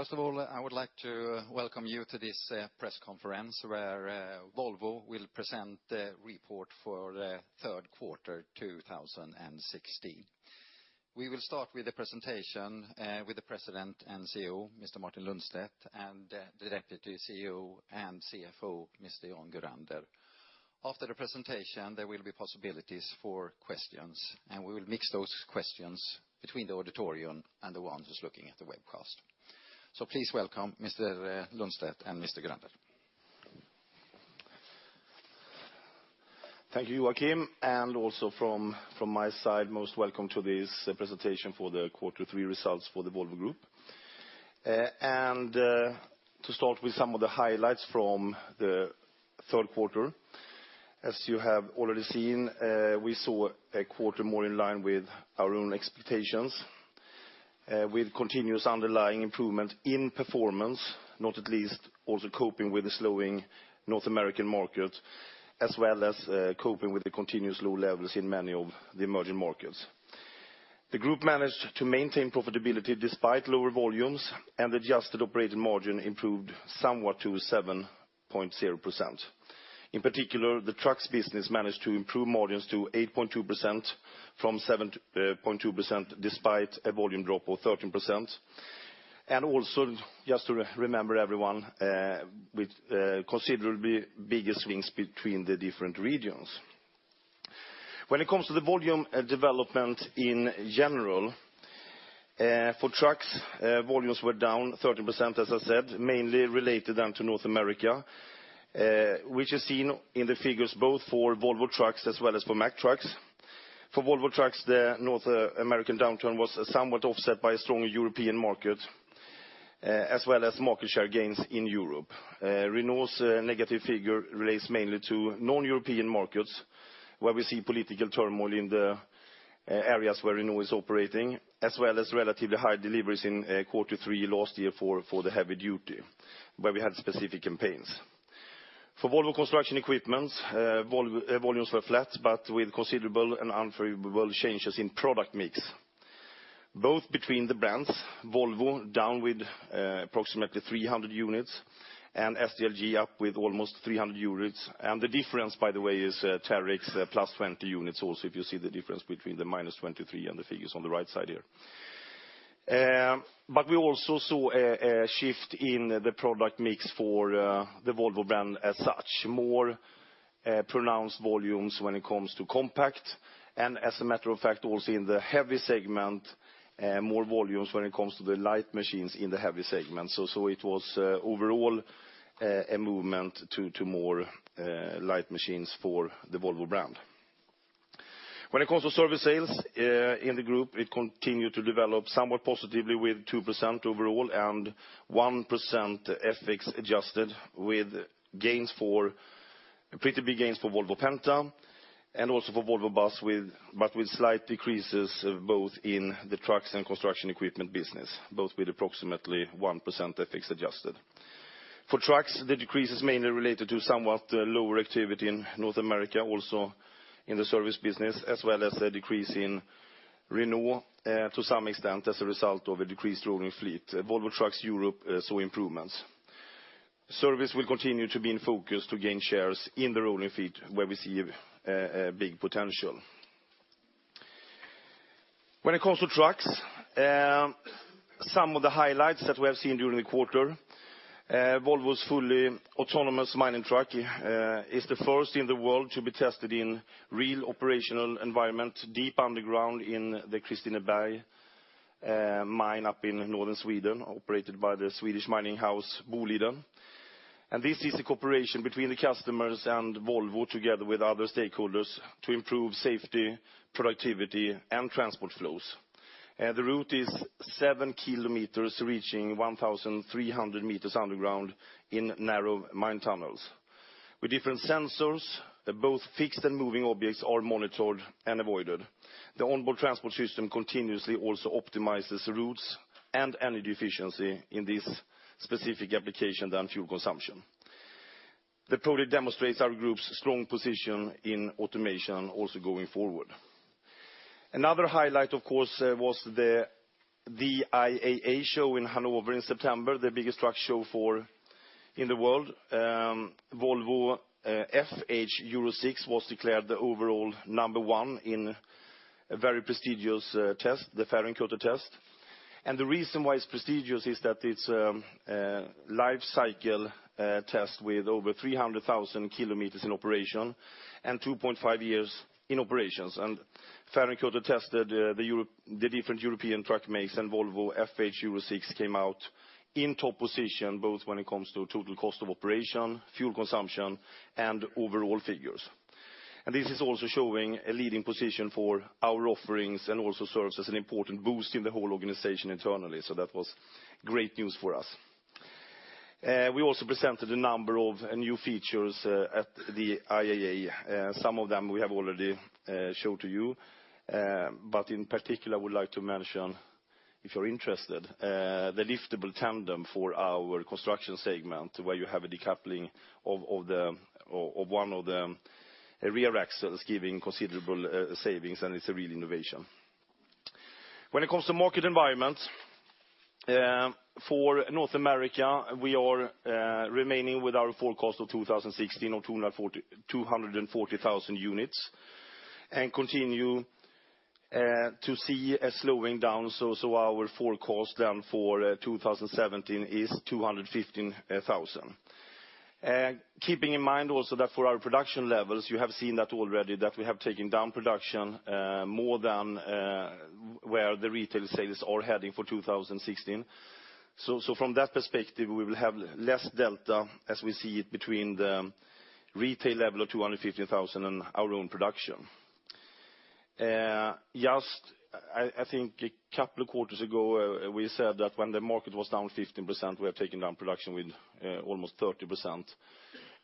First of all, I would like to welcome you to this press conference, where Volvo will present the report for the third quarter 2016. We will start with the presentation with the President and CEO, Mr. Martin Lundstedt, and Deputy CEO and CFO, Mr. Jan Gurander. After the presentation, there will be possibilities for questions, and we will mix those questions between the auditorium and the ones who's looking at the webcast. Please welcome Mr. Lundstedt and Mr. Gurander. Thank you, Joachim, and also from my side, most welcome to this presentation for the quarter three results for the Volvo Group. To start with some of the highlights from the third quarter. As you have already seen, we saw a quarter more in line with our own expectations, with continuous underlying improvement in performance, not at least also coping with the slowing North American market, as well as coping with the continuous low levels in many of the emerging markets. The group managed to maintain profitability despite lower volumes and adjusted operating margin improved somewhat to 7.0%. In particular, the trucks business managed to improve margins to 8.2% from 7.2%, despite a volume drop of 13%. Also, just to remember everyone, with considerably bigger swings between the different regions. When it comes to the volume development in general, for trucks, volumes were down 30%, as I said, mainly related down to North America, which is seen in the figures both for Volvo Trucks as well as for Mack Trucks. For Volvo Trucks, the North American downturn was somewhat offset by a stronger European market, as well as market share gains in Europe. Renault's negative figure relates mainly to non-European markets, where we see political turmoil in the areas where Renault is operating, as well as relatively high deliveries in quarter three last year for the heavy duty, where we had specific campaigns. For Volvo Construction Equipment, volumes were flat but with considerable and unfavorable changes in product mix. Both between the brands, Volvo down with approximately 300 units, and SDLG up with almost 300 units. The difference, by the way, is Terex plus 20 units also, if you see the difference between the minus 23 and the figures on the right side here. We also saw a shift in the product mix for the Volvo brand as such. More pronounced volumes when it comes to compact and as a matter of fact, also in the heavy segment, more volumes when it comes to the light machines in the heavy segment. It was overall a movement to more light machines for the Volvo brand. When it comes to service sales in the group, it continued to develop somewhat positively with 2% overall and 1% FX adjusted, with pretty big gains for Volvo Penta and also for Volvo Bus, but with slight decreases both in the trucks and construction equipment business, both with approximately 1% FX adjusted. For trucks, the decrease is mainly related to somewhat lower activity in North America, also in the service business, as well as a decrease in Renault Trucks to some extent as a result of a decreased rolling fleet. Volvo Trucks Europe saw improvements. Service will continue to be in focus to gain shares in the rolling fleet where we see a big potential. When it comes to trucks, some of the highlights that we have seen during the quarter, Volvo's fully autonomous mining truck is the first in the world to be tested in real operational environment, deep underground in the Kristineberg mine up in northern Sweden, operated by the Swedish mining house Boliden. This is a cooperation between the customers and Volvo, together with other stakeholders, to improve safety, productivity, and transport flows. The route is 7 kilometers, reaching 1,300 meters underground in narrow mine tunnels. With different sensors, both fixed and moving objects are monitored and avoided. The onboard transport system continuously also optimizes routes and energy efficiency in this specific application than fuel consumption. That probably demonstrates our group's strong position in automation also going forward. Another highlight, of course, was the IAA in Hanover in September, the biggest truck show in the world. Volvo FH Euro 6 was declared the overall number one in a very prestigious test, the Fehrenkötter test. The reason why it's prestigious is that it's a life cycle test with over 300,000 kilometers in operation and 2.5 years in operations. Fehrenkötter tested the different European truck makes and Volvo FH Euro 6 came out in top position, both when it comes to total cost of operation, fuel consumption, and overall figures. This is also showing a leading position for our offerings and also serves as an important boost in the whole organization internally. That was great news for us. We also presented a number of new features at the IAA. Some of them we have already showed to you. In particular, I would like to mention, if you're interested, the liftable tandem for our construction segment, where you have a decoupling of one of the rear axles, giving considerable savings, and it's a real innovation. When it comes to market environment for North America, we are remaining with our forecast of 2016 of 240,000 units and continue to see a slowing down. Our forecast then for 2017 is 215,000. Keeping in mind also that for our production levels, you have seen that already, that we have taken down production more than where the retail sales are heading for 2016. From that perspective, we will have less delta as we see it between the retail level of 215,000 and our own production. I think a couple of quarters ago, we said that when the market was down 15%, we have taken down production with almost 30%.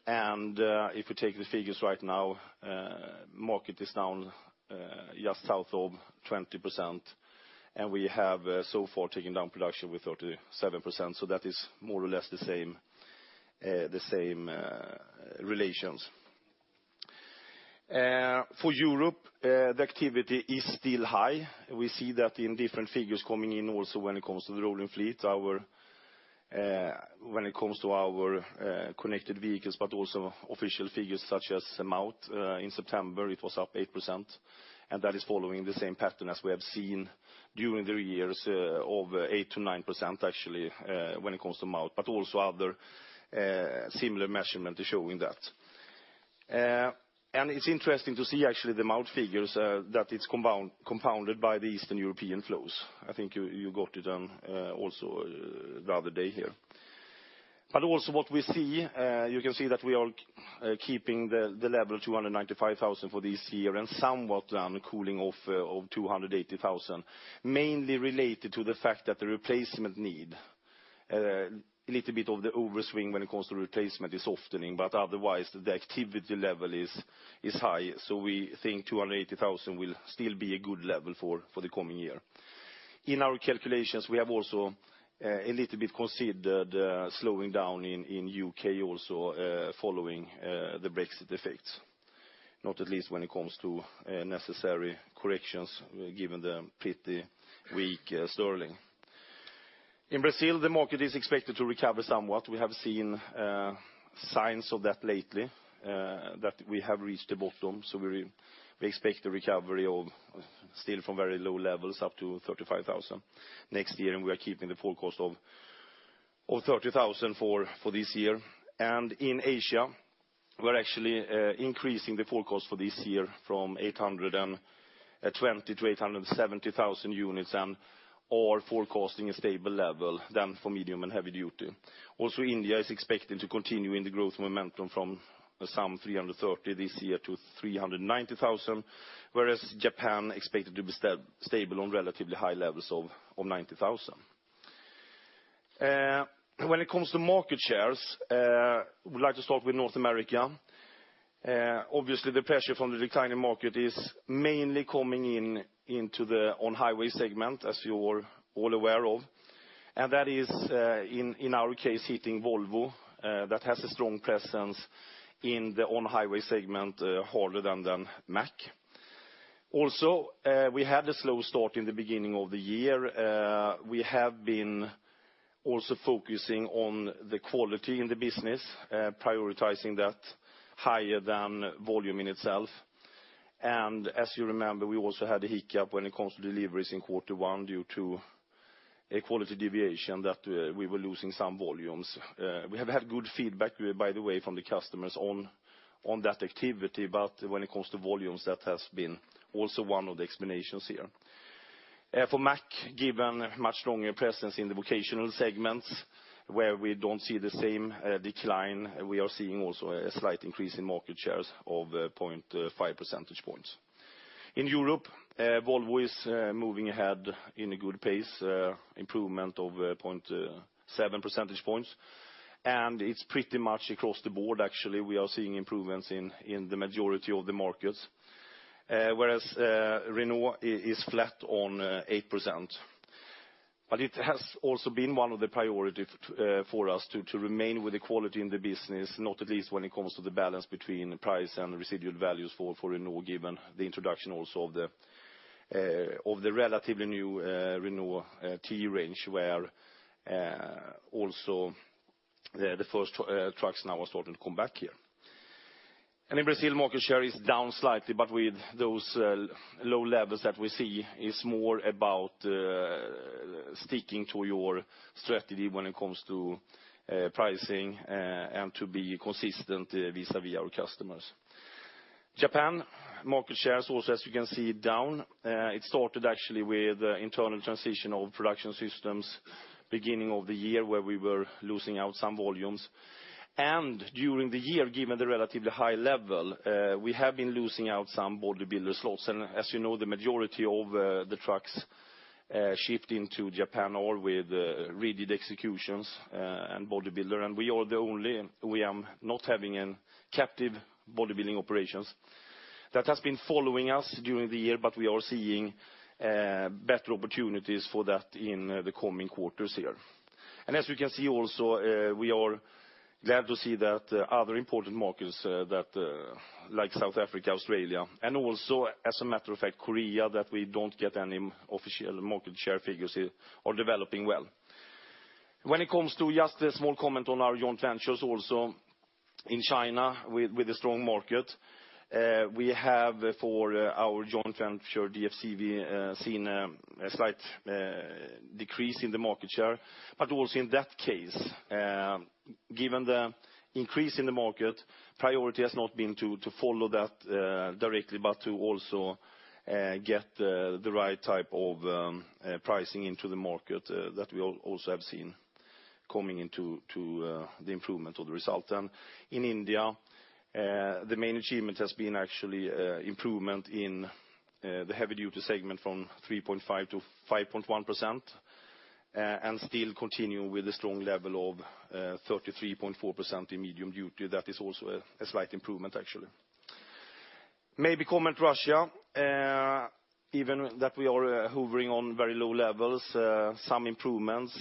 If we take the figures right now, market is down just south of 20%, and we have so far taken down production with 37%. That is more or less the same relations. For Europe, the activity is still high. We see that in different figures coming in also when it comes to the rolling fleet, when it comes to our connected vehicles, but also official figures such as amount. In September, it was up 8%. That is following the same pattern as we have seen during the years of 8%-9%, actually, when it comes to amount, but also other similar measurement is showing that. It's interesting to see, actually, the amount figures, that it's compounded by the Eastern European flows. I think you got it also the other day here. Also what we see, you can see that we are keeping the level 295,000 for this year and somewhat cooling off of 280,000, mainly related to the fact that the replacement need, a little bit of the overswing when it comes to replacement is often in. Otherwise, the activity level is high. We think 280,000 will still be a good level for the coming year. In our calculations, we have also a little bit considered slowing down in U.K. also following the Brexit effects, not at least when it comes to necessary corrections, given the pretty weak sterling. In Brazil, the market is expected to recover somewhat. We have seen signs of that lately, that we have reached the bottom. We expect a recovery of still from very low levels up to 35,000 next year. We are keeping the forecast of 30,000 for this year. In Asia, we are actually increasing the forecast for this year from 820,000 to 870,000 units and are forecasting a stable level than for medium and heavy duty. India is expected to continue in the growth momentum from some 330,000 this year to 390,000, whereas Japan expected to be stable on relatively high levels of 90,000. When it comes to market shares, would like to start with North America. Obviously, the pressure from the declining market is mainly coming into on-highway segment, as you are all aware of. That is, in our case, hitting Volvo, that has a strong presence in the on-highway segment harder than Mack. We had a slow start in the beginning of the year. We have been also focusing on the quality in the business, prioritizing that higher than volume in itself. As you remember, we also had a hiccup when it comes to deliveries in quarter one due to a quality deviation that we were losing some volumes. We have had good feedback, by the way, from the customers on that activity. When it comes to volumes, that has been also one of the explanations here. For Mack, given much stronger presence in the vocational segments, where we don't see the same decline, we are seeing also a slight increase in market shares of 0.5 percentage points. In Europe, Volvo is moving ahead in a good pace, improvement of 0.7 percentage points. It's pretty much across the board, actually, we are seeing improvements in the majority of the markets, whereas Renault is flat on 8%. It has also been one of the priority for us to remain with the quality in the business, not at least when it comes to the balance between price and residual values for Renault, given the introduction also of the relatively new Renault T Range, where also the first trucks now are starting to come back here. In Brazil, market share is down slightly, but with those low levels that we see, it's more about sticking to your strategy when it comes to pricing and to be consistent vis-à-vis our customers. Japan, market shares also, as you can see, down. It started actually with internal transition of production systems beginning of the year, where we were losing out some volumes. During the year, given the relatively high level, we have been losing out some bodybuilder slots. As you know, the majority of the trucks shipped into Japan are with rigid executions and bodybuilder, and we are not having a captive bodybuilder operations. That has been following us during the year, but we are seeing better opportunities for that in the coming quarters here. As you can see also, we are glad to see that other important markets like South Africa, Australia, and also, as a matter of fact, Korea, that we don't get any official market share figures, are developing well. When it comes to just a small comment on our joint ventures also in China with the strong market, we have, for our joint venture, DFCV, we seen a slight decrease in the market share. Also in that case, given the increase in the market, priority has not been to follow that directly, but to also get the right type of pricing into the market that we also have seen coming into the improvement of the result then. In India, the main achievement has been actually improvement in the heavy-duty segment from 3.5% to 5.1%, and still continue with a strong level of 33.4% in medium duty. That is also a slight improvement, actually. Maybe comment Russia, even that we are hovering on very low levels, some improvements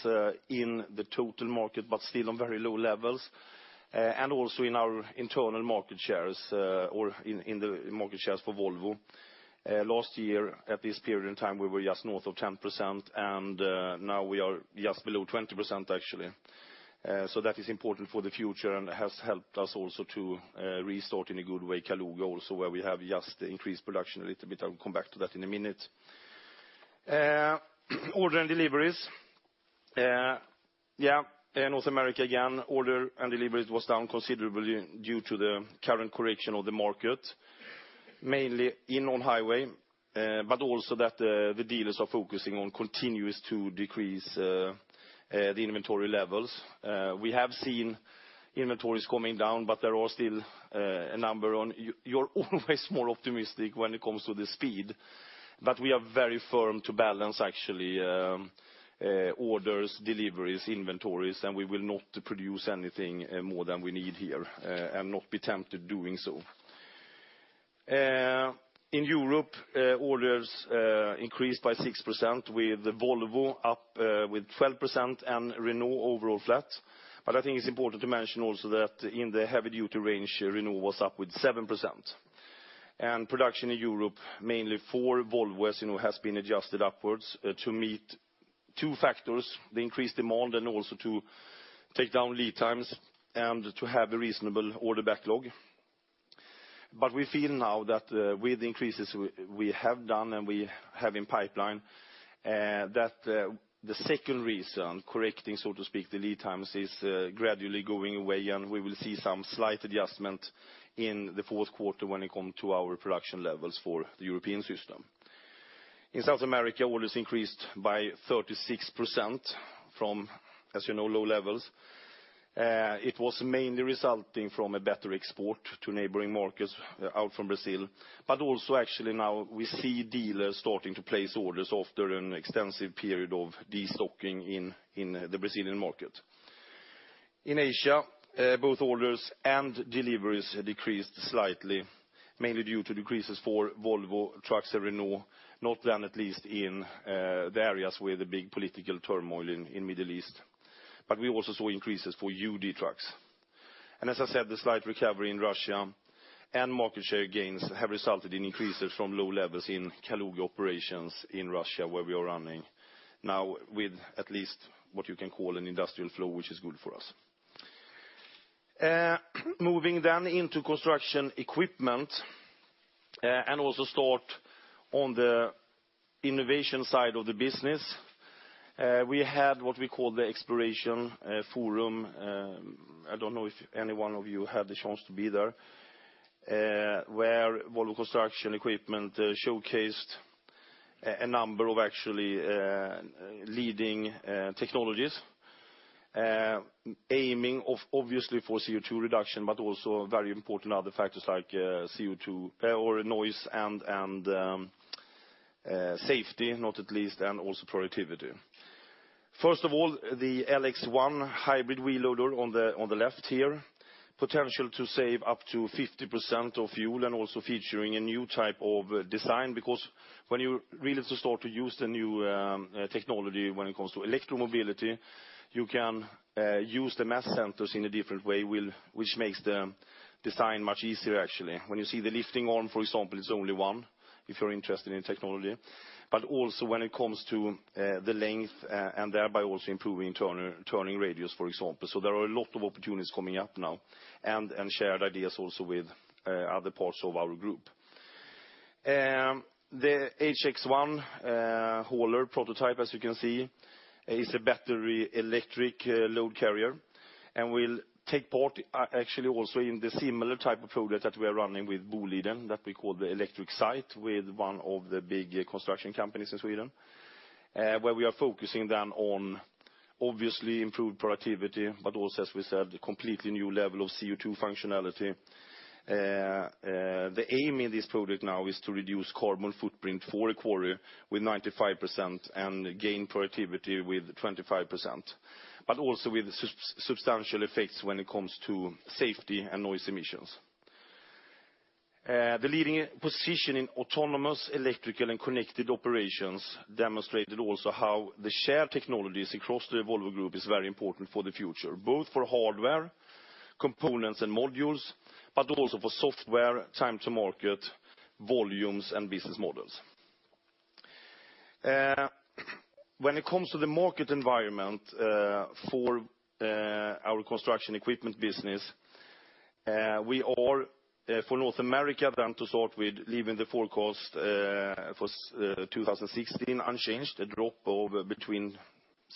in the total market, but still on very low levels. Also in our internal market shares or in the market shares for Volvo. Last year, at this period in time, we were just north of 10%, and now we are just below 20%, actually. That is important for the future and has helped us also to restart in a good way Kaluga also where we have just increased production a little bit. I will come back to that in a minute. Order and deliveries. North America, again, order and deliveries was down considerably due to the current correction of the market, mainly in on highway, but also that the dealers are focusing on continuous to decrease the inventory levels. We have seen inventories coming down, but there are still a number. You're always more optimistic when it comes to the speed, but we are very firm to balance actually, orders, deliveries, inventories, and we will not produce anything more than we need here, and not be tempted doing so. In Europe, orders increased by 6% with Volvo up with 12% and Renault overall flat. I think it's important to mention also that in the heavy-duty range, Renault was up with 7%. Production in Europe, mainly for Volvo as you know, has been adjusted upwards to meet two factors, the increased demand and also to take down lead times and to have a reasonable order backlog. We feel now that with increases we have done and we have in pipeline, that the second reason, correcting, so to speak, the lead times, is gradually going away and we will see some slight adjustment in the fourth quarter when it comes to our production levels for the European system. In South America, orders increased by 36% from, as you know, low levels. It was mainly resulting from a better export to neighboring markets out from Brazil, but also actually now we see dealers starting to place orders after an extensive period of destocking in the Brazilian market. In Asia, both orders and deliveries decreased slightly, mainly due to decreases for Volvo Trucks and Renault, not then at least in the Middle East. We also saw increases for UD Trucks. As I said, the slight recovery in Russia and market share gains have resulted in increases from low levels in Kaluga operations in Russia, where we are running now with at least what you can call an industrial flow, which is good for us. Moving into construction equipment, also start on the innovation side of the business. We had what we call the Xploration Forum. I don't know if any one of you had the chance to be there, where Volvo Construction Equipment showcased a number of actually leading technologies, aiming obviously for CO2 reduction, but also very important other factors like noise and safety, not at least, and also productivity. First of all, the LX1 hybrid wheel loader on the left here, potential to save up to 50% of fuel and also featuring a new type of design, because when you really start to use the new technology when it comes to electric mobility, you can use the mass centers in a different way, which makes the design much easier, actually. When you see the lifting arm, for example, it's only one, if you're interested in technology. Also when it comes to the length, and thereby also improving turning radius, for example. There are a lot of opportunities coming up now, and shared ideas also with other parts of our group. The HX1 hauler prototype, as you can see, is a battery electric load carrier and will take part actually also in the similar type of product that we are running with Boliden that we call the Electric Site with one of the big construction companies in Sweden, where we are focusing on obviously improved productivity, also, as we said, a completely new level of CO2 functionality. The aim in this project now is to reduce carbon footprint for a quarry with 95% and gain productivity with 25%, also with substantial effects when it comes to safety and noise emissions. The leading position in autonomous electrical and connected operations demonstrated also how the shared technologies across the Volvo Group is very important for the future, both for hardware, components, and modules, but also for software, time to market, volumes, and business models. When it comes to the market environment for our construction equipment business, for North America, leaving the forecast for 2016 unchanged, a drop of between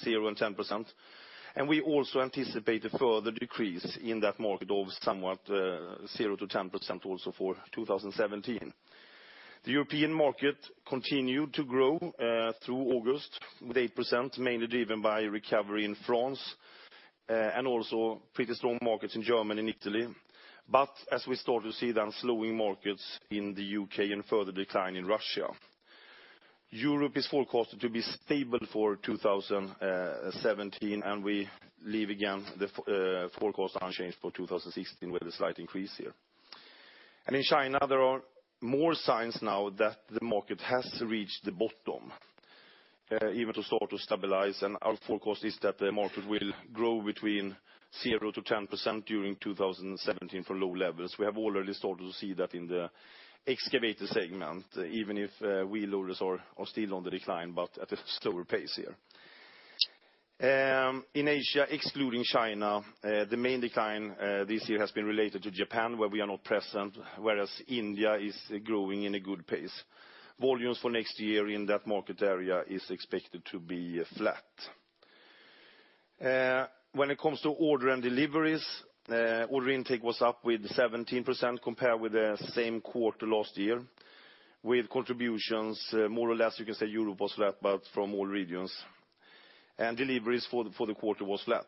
0% and 10%. We also anticipate a further decrease in that market of somewhat 0%-10% also for 2017. The European market continued to grow through August with 8%, mainly driven by recovery in France, also pretty strong markets in Germany and Italy. As we start to see them slowing markets in the U.K. and further decline in Russia. Europe is forecasted to be stable for 2017, and we leave again the forecast unchanged for 2016 with a slight increase here. In China, there are more signs now that the market has reached the bottom, even to start to stabilize, and our forecast is that the market will grow between 0%-10% during 2017 from low levels. We have already started to see that in the excavator segment, even if wheel loaders are still on the decline, but at a slower pace here. In Asia, excluding China, the main decline this year has been related to Japan, where we are not present, whereas India is growing in a good pace. Volumes for next year in that market area is expected to be flat. When it comes to order and deliveries, order intake was up with 17% compared with the same quarter last year, with contributions more or less, you can say Europe was flat, but from all regions. Deliveries for the quarter was flat.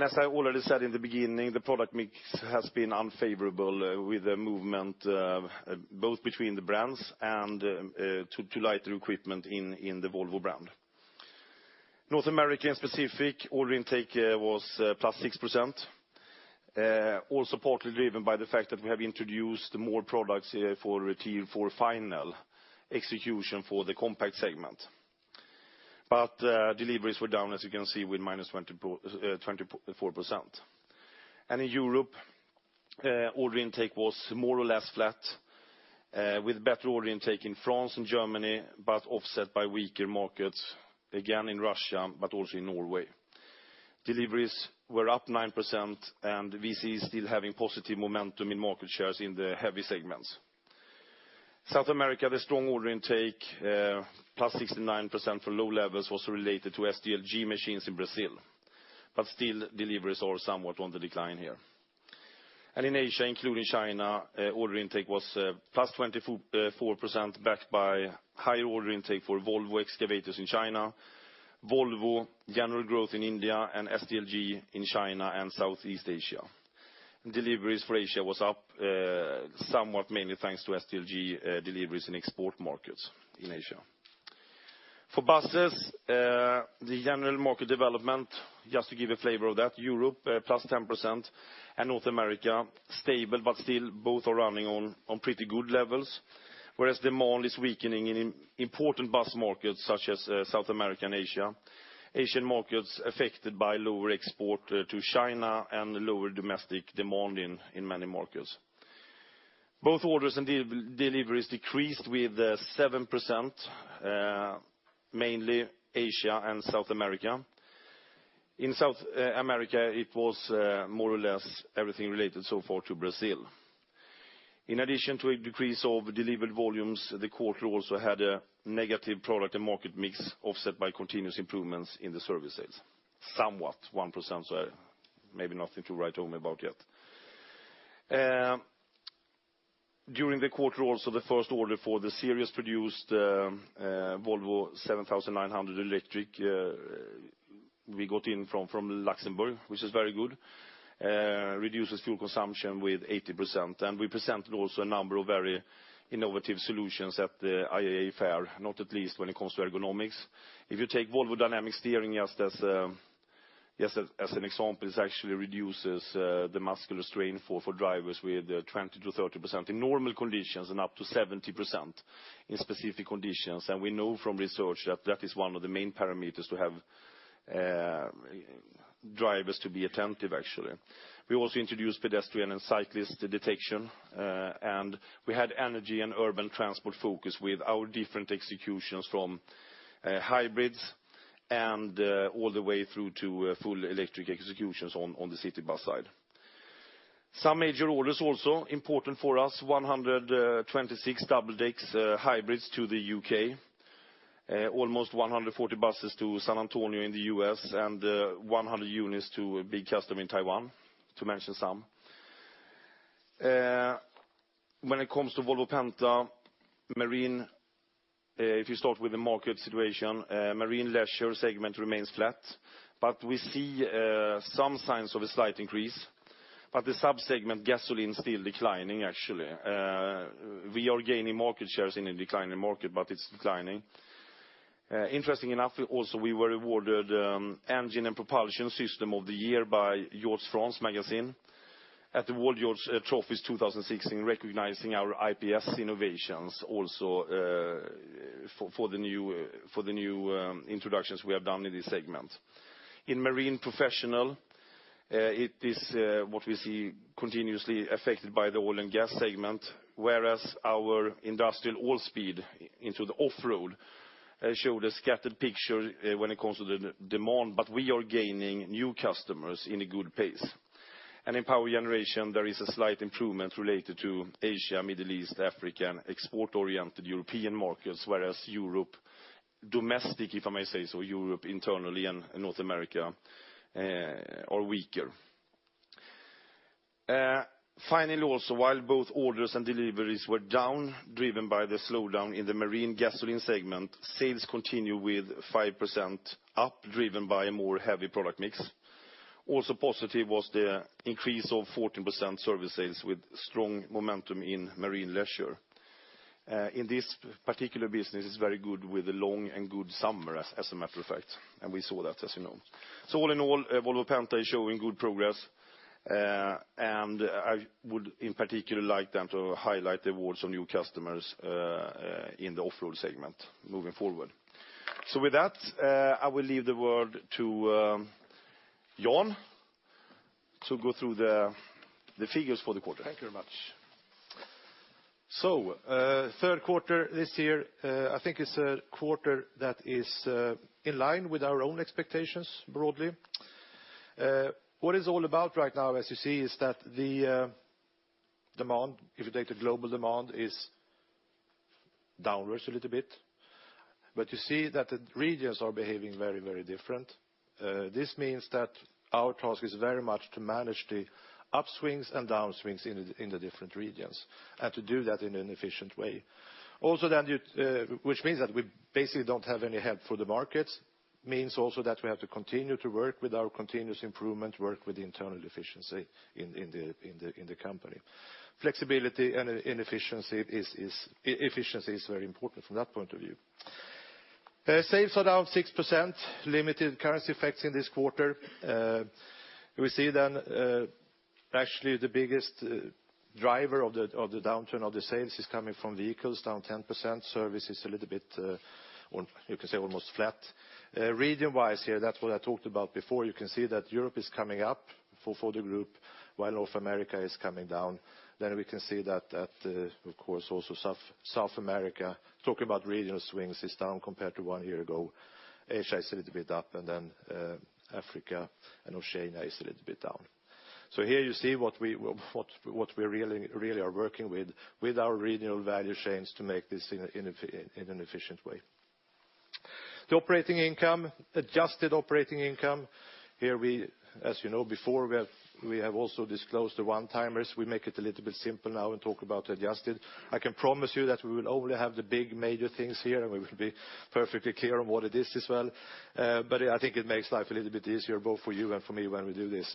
As I already said in the beginning, the product mix has been unfavorable with the movement both between the brands and to lighter equipment in the Volvo brand. North America specific, order intake was +6%, also partly driven by the fact that we have introduced more products here for final execution for the compact segment. Deliveries were down, as you can see, with -24%. In Europe, order intake was more or less flat, with better order intake in France and Germany, but offset by weaker markets, again in Russia, but also in Norway. Deliveries were up 9%, and we see still having positive momentum in market shares in the heavy segments. South America, the strong order intake, +69% for low levels, was related to SDLG machines in Brazil, but still deliveries are somewhat on the decline here. In Asia, including China, order intake was +24%, backed by higher order intake for Volvo excavators in China, Volvo general growth in India, and SDLG in China and Southeast Asia. Deliveries for Asia was up somewhat, mainly thanks to SDLG deliveries in export markets in Asia. For buses, the general market development, just to give a flavor of that, Europe +10% and North America stable, but still both are running on pretty good levels. Whereas demand is weakening in important bus markets such as South America and Asia. Asian markets affected by lower export to China and lower domestic demand in many markets. Both orders and deliveries decreased with 7%, mainly Asia and South America. In South America, it was more or less everything related so far to Brazil. In addition to a decrease of delivered volumes, the quarter also had a negative product and market mix offset by continuous improvements in the service sales, somewhat 1%, so maybe nothing to write home about yet. During the quarter also, the first order for the series produced Volvo 7900 Electric we got in from Luxembourg, which is very good. Reduces fuel consumption with 80%. We presented also a number of very innovative solutions at the IAA fair, not at least when it comes to ergonomics. If you take Volvo Dynamic Steering just as an example, it actually reduces the muscular strain for drivers with 20%-30% in normal conditions and up to 70% in specific conditions. We know from research that that is one of the main parameters to have drivers to be attentive, actually. We also introduced pedestrian and cyclist detection, and we had energy and urban transport focus with our different executions from hybrids and all the way through to full electric executions on the city bus side. Some major orders also important for us, 126 double-deck hybrids to the U.K., almost 140 buses to San Antonio in the U.S., and 100 units to a big customer in Taiwan, to mention some. When it comes to Volvo Penta, if you start with the market situation, marine leisure segment remains flat, but we see some signs of a slight increase, but the sub-segment gasoline still declining, actually. We are gaining market shares in a declining market, but it's declining. Interesting enough, also, we were awarded Engine and Propulsion System of the Year by Yachts France Magazine at the World Yachts Trophies 2016, recognizing our IPS innovations also for the new introductions we have done in this segment. In Marine Professional, it is what we see continuously affected by the oil and gas segment, whereas our industrial off-road showed a scattered picture when it comes to the demand, but we are gaining new customers in a good pace. In Power Generation, there is a slight improvement related to Asia, Middle East, Africa, and export-oriented European markets, whereas Europe domestic, if I may say so, Europe internally and North America are weaker. Finally, also, while both orders and deliveries were down, driven by the slowdown in the marine gasoline segment, sales continue with 5% up, driven by a more heavy product mix. Also positive was the increase of 14% service sales with strong momentum in Marine Leisure. In this particular business, it's very good with a long and good summer as a matter of fact, and we saw that, as you know. All in all, Volvo Penta is showing good progress. I would, in particular, like then to highlight the awards of new customers in the off-road segment moving forward. With that, I will leave the word to Jan to go through the figures for the quarter. Thank you very much. Third quarter this year, I think it is a quarter that is in line with our own expectations, broadly. What it is all about right now, as you see, is that the demand, if you take the global demand, is downwards a little bit. You see that the regions are behaving very different. This means that our task is very much to manage the upswings and downswings in the different regions, and to do that in an efficient way. Which means that we basically don't have any help for the markets, means also that we have to continue to work with our continuous improvement work with the internal efficiency in the company. Flexibility and efficiency is very important from that point of view. Sales are down 6%, limited currency effects in this quarter. We see, actually the biggest driver of the downturn of the sales is coming from vehicles down 10%. Service is a little bit, you could say, almost flat. Region-wise here, that is what I talked about before. You can see that Europe is coming up for the group, while North America is coming down. We can see that, of course, also South America, talking about regional swings, is down compared to one year ago. Asia is a little bit up, and Africa and Oceania is a little bit down. Here you see what we really are working with our regional value chains to make this in an efficient way. The operating income, adjusted operating income. Here we, as you know, before we have also disclosed the one-timers. We make it a little bit simple now and talk about adjusted. I can promise you that we will only have the big major things here, and we will be perfectly clear on what it is as well. I think it makes life a little bit easier, both for you and for me, when we do this.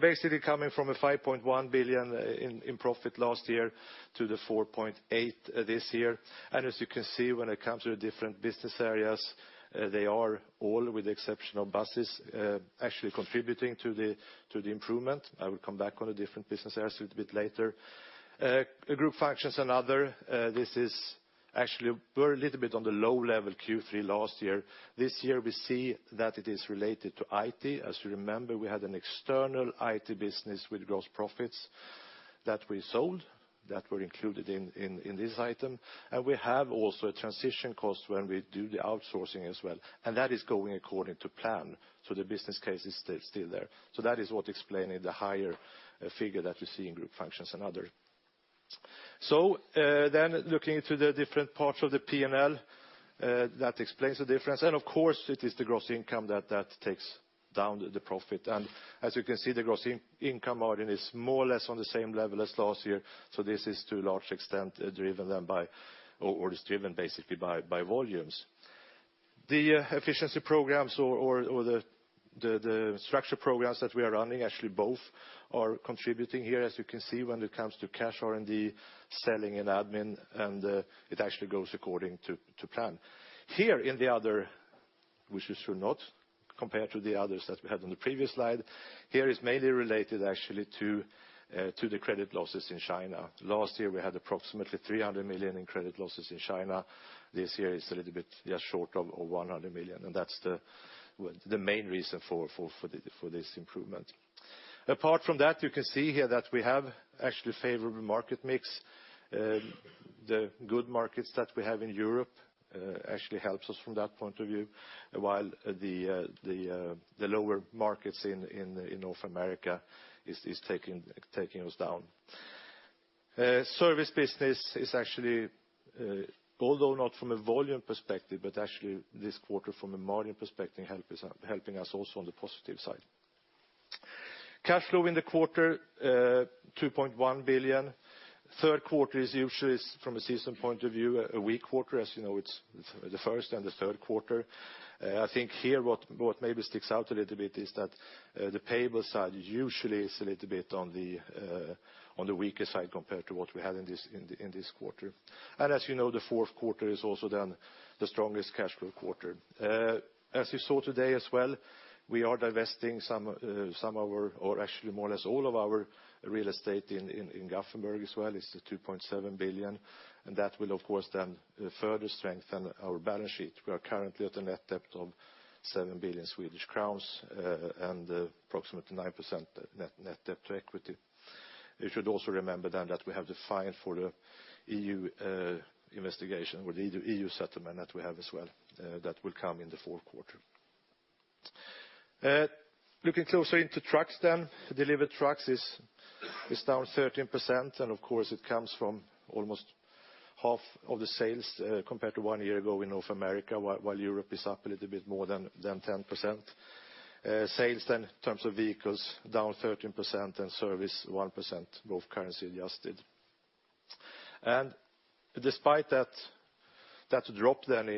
Basically coming from a 5.1 billion in profit last year to the 4.8 this year. As you can see, when it comes to the different business areas, they are all, with the exception of buses, actually contributing to the improvement. I will come back on the different business areas a little bit later. Group Functions and Other. Actually, we are a little bit on the low level Q3 last year. This year, we see that it is related to IT. As you remember, we had an external IT business with gross profits that we sold that were included in this item. We have also a transition cost when we do the outsourcing as well. That is going according to plan. The business case is still there. That is what explaining the higher figure that we see in Group Functions and Other. Looking into the different parts of the P&L, that explains the difference. Of course, it is the gross income that takes down the profit. As you can see, the gross income margin is more or less on the same level as last year. This is to a large extent driven then by, or is driven basically by volumes. The efficiency programs or the structure programs that we are running, actually both are contributing here, as you can see when it comes to cash, R&D, selling, and admin, and it actually goes according to plan. Here in the other, which you should not compare to the others that we had on the previous slide. Here is mainly related actually to the credit losses in China. Last year, we had approximately 300 million in credit losses in China. This year is a little bit just short of 100 million. That's the main reason for this improvement. Apart from that, you can see here that we have actually favorable market mix. The good markets that we have in Europe actually helps us from that point of view, while the lower markets in North America is taking us down. Service business is actually, although not from a volume perspective, but actually this quarter from a margin perspective, helping us also on the positive side. Cash flow in the quarter, 2.1 billion. Third quarter is usually, from a season point of view, a weak quarter. As you know, it's the first and the third quarter I think here what maybe sticks out a little bit is that the payable side usually is a little bit on the weaker side compared to what we had in this quarter. As you know, the fourth quarter is also then the strongest cash flow quarter. As you saw today as well, we are divesting some of our, or actually more or less all of our real estate in Gothenburg as well. It's 2.7 billion, that will, of course, then further strengthen our balance sheet. We are currently at a net debt of 7 billion Swedish crowns, approximately 9% net debt to equity. You should also remember then that we have the fine for the EU investigation or the EU settlement that we have as well. That will come in the fourth quarter. Looking closer into trucks then. Delivered trucks is down 13% and of course it comes from almost half of the sales compared to one year ago in North America, while Europe is up a little bit more than 10%. Sales then in terms of vehicles down 13% and service 1%, both currency adjusted. Despite that drop then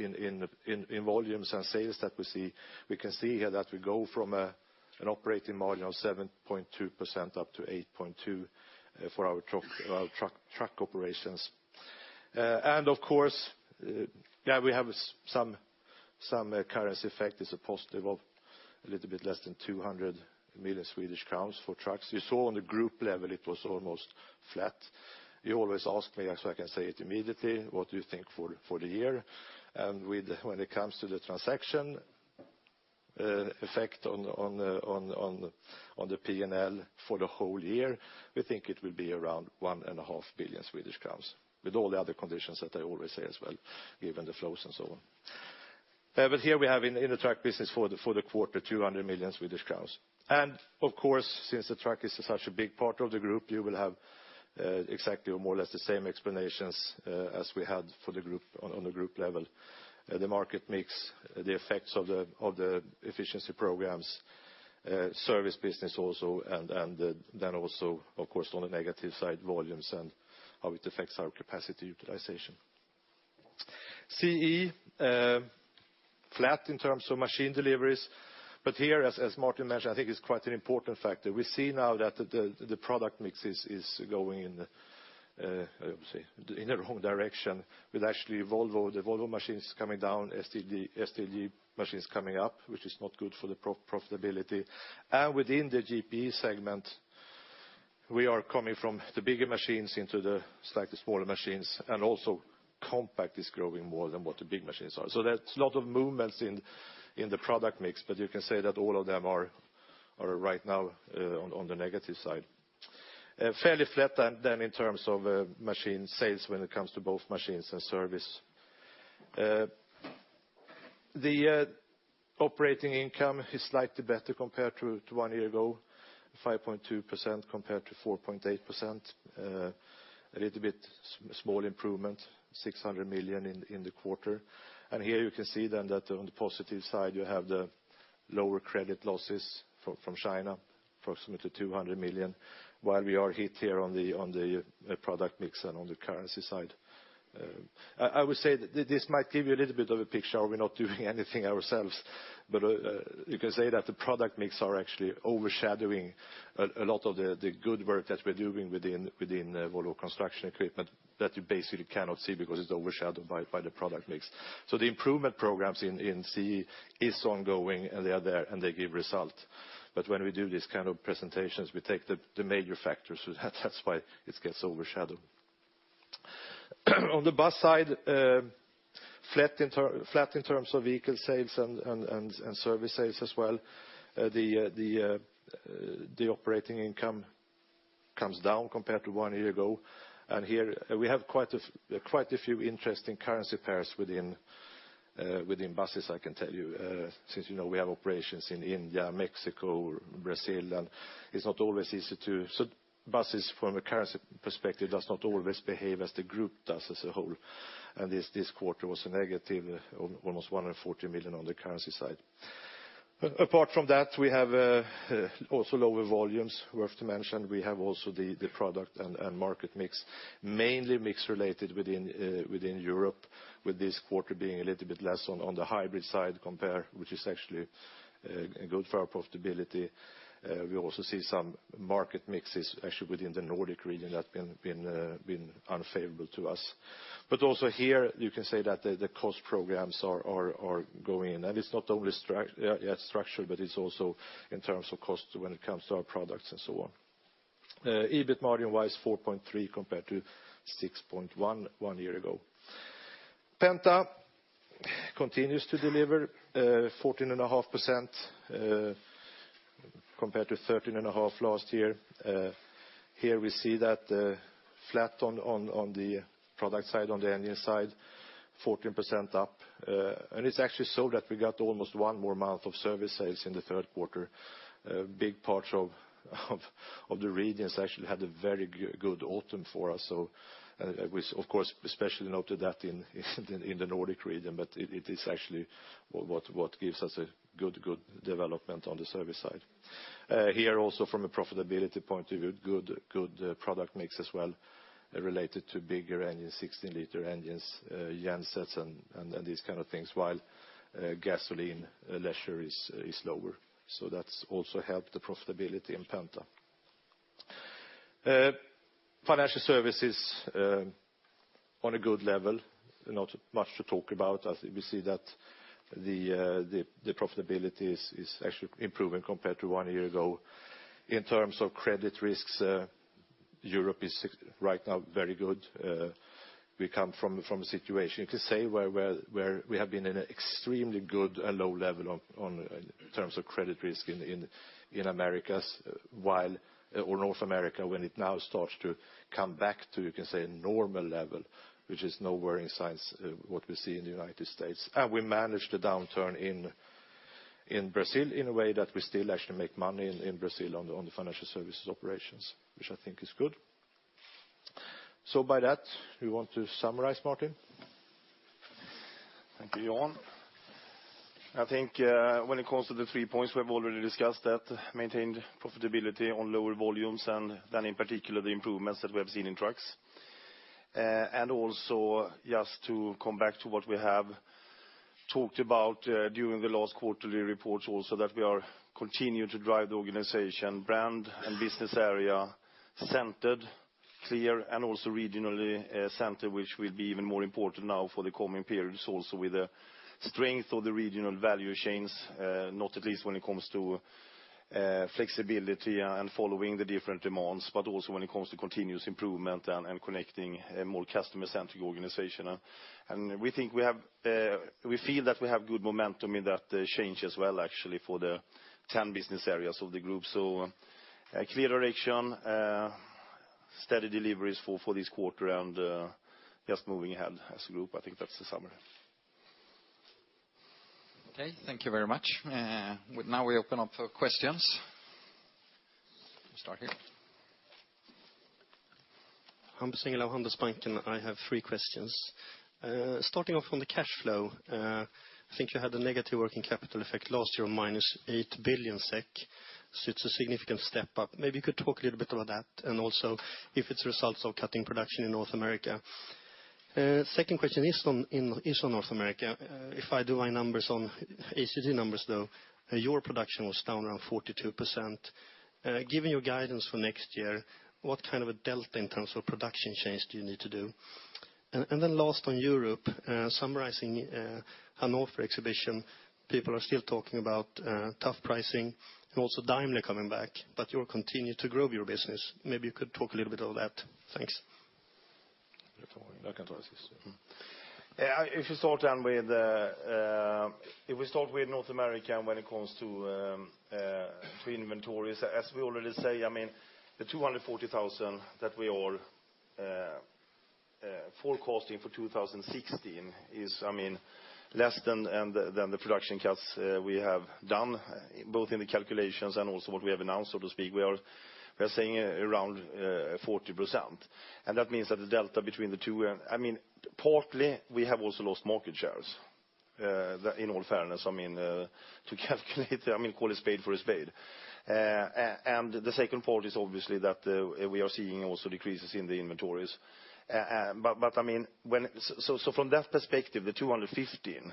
in volumes and sales that we see, we can see here that we go from an operating margin of 7.2% up to 8.2% for our truck operations. Of course, we have some currency effect as a positive of a little bit less than 200 million Swedish crowns for trucks. You saw on the group level it was almost flat. You always ask me, so I can say it immediately, what do you think for the year? When it comes to the transaction effect on the P&L for the whole year, we think it will be around 1.5 billion Swedish crowns, with all the other conditions that I always say as well, given the flows and so on. Here we have in the truck business for the quarter, 200 million Swedish crowns. Of course, since the truck is such a big part of the group, you will have exactly or more or less the same explanations as we had for the group on the group level. The market mix, the effects of the efficiency programs, service business also, then also, of course, on the negative side, volumes and how it affects our capacity utilization. CE, flat in terms of machine deliveries, but here, as Martin mentioned, I think it's quite an important factor. We see now that the product mix is going in the wrong direction, with actually Volvo, the Volvo machines coming down, SDLG machines coming up, which is not good for the profitability. Within the GPE segment, we are coming from the bigger machines into the slightly smaller machines, and also compact is growing more than what the big machines are. There's a lot of movements in the product mix, but you can say that all of them are right now on the negative side. Fairly flat in terms of machine sales when it comes to both machines and service. The operating income is slightly better compared to one year ago, 5.2% compared to 4.8%. A little bit small improvement, 600 million in the quarter. Here you can see that on the positive side, you have the lower credit losses from China, approximately 200 million, while we are hit here on the product mix and on the currency side. I would say that this might give you a little bit of a picture, are we not doing anything ourselves? You can say that the product mix are actually overshadowing a lot of the good work that we are doing within Volvo Construction Equipment that you basically cannot see because it is overshadowed by the product mix. The improvement programs in CE is ongoing, and they are there, and they give result. When we do this kind of presentations, we take the major factors, so that's why it gets overshadowed. On the bus side, flat in terms of vehicle sales and service sales as well. The operating income comes down compared to one year ago. Here we have quite a few interesting currency pairs within buses, I can tell you, since you know we have operations in India, Mexico, Brazil, and it's not always easy to. Buses from a currency perspective does not always behave as the group does as a whole. This quarter was a negative, almost 140 million on the currency side. Apart from that, we have also lower volumes worth to mention. We have also the product and market mix, mainly mix related within Europe, with this quarter being a little bit less on the hybrid side compare, which is actually good for our profitability. We also see some market mixes actually within the Nordic region that have been unfavorable to us. Also here you can say that the cost programs are going in. It's not only structure, but it's also in terms of cost when it comes to our products and so on. EBIT margin was 4.3% compared to 6.1% one year ago. Volvo Penta continues to deliver, 14.5% compared to 13.5% last year. Here we see that flat on the product side, on the engine side, 14% up. It's actually so that we got almost one more month of service sales in the third quarter. Big parts of the regions, actually had a very good autumn for us. We of course, especially noted that in the Nordic region, but it is actually what gives us a good development on the service side. Here also from a profitability point of view, good product mix as well, related to bigger engines, 16-liter engines, gensets, and these kind of things. While gasoline leisure is lower. That's also helped the profitability in Volvo Penta. Financial services on a good level, not much to talk about. We see that the profitability is actually improving compared to one year ago. In terms of credit risks, Europe is right now very good. We come from a situation, you can say, where we have been in an extremely good and low level in terms of credit risk in Americas or North America, when it now starts to come back to, you can say, normal level, which is no worrying signs, what we see in the U.S. We managed the downturn in Brazil in a way that we still actually make money in Brazil on the financial services operations, which I think is good. By that, you want to summarize, Martin? Thank you, Johan. I think when it comes to the three points we have already discussed, that maintained profitability on lower volumes and then in particular, the improvements that we have seen in trucks. Also just to come back to what we have talked about during the last quarterly reports also, that we are continuing to drive the organization brand and business area centered, clear, and also regionally centered, which will be even more important now for the coming periods, also with the strength of the regional value chains. Not at least when it comes to flexibility and following the different demands, but also when it comes to continuous improvement and connecting a more customer-centric organization. We feel that we have good momentum in that change as well, actually, for the 10 business areas of the group. A clear direction, steady deliveries for this quarter, and just moving ahead as a group. I think that's the summary. Okay. Thank you very much. Now we open up for questions. We start here. Hans Singer, Handelsbanken. I have three questions. From the cash flow. You had a negative working capital effect last year, -8 billion SEK, so it is a significant step up. Maybe you could talk a little bit about that, and also if it is a result of cutting production in North America. Second question is on North America. If I do my numbers on ACT numbers, your production was down around 42%. Given your guidance for next year, what kind of a delta in terms of production change do you need to do? Last on Europe, summarizing an offer exhibition, people are still talking about tough pricing and also Daimler coming back, but you will continue to grow your business. Maybe you could talk a little bit on that. Thanks. I can take this. We start with North America when it comes to pre-inventories, as we already say, the 240,000 that we are forecasting for 2016 is less than the production cuts we have done, both in the calculations and also what we have announced, so to speak. We are saying around 40%. That means that the delta between the two. Partly, we have also lost market shares, in all fairness, to calculate, call a spade for a spade. The second part is obviously that we are seeing also decreases in the inventories. From that perspective, the 215,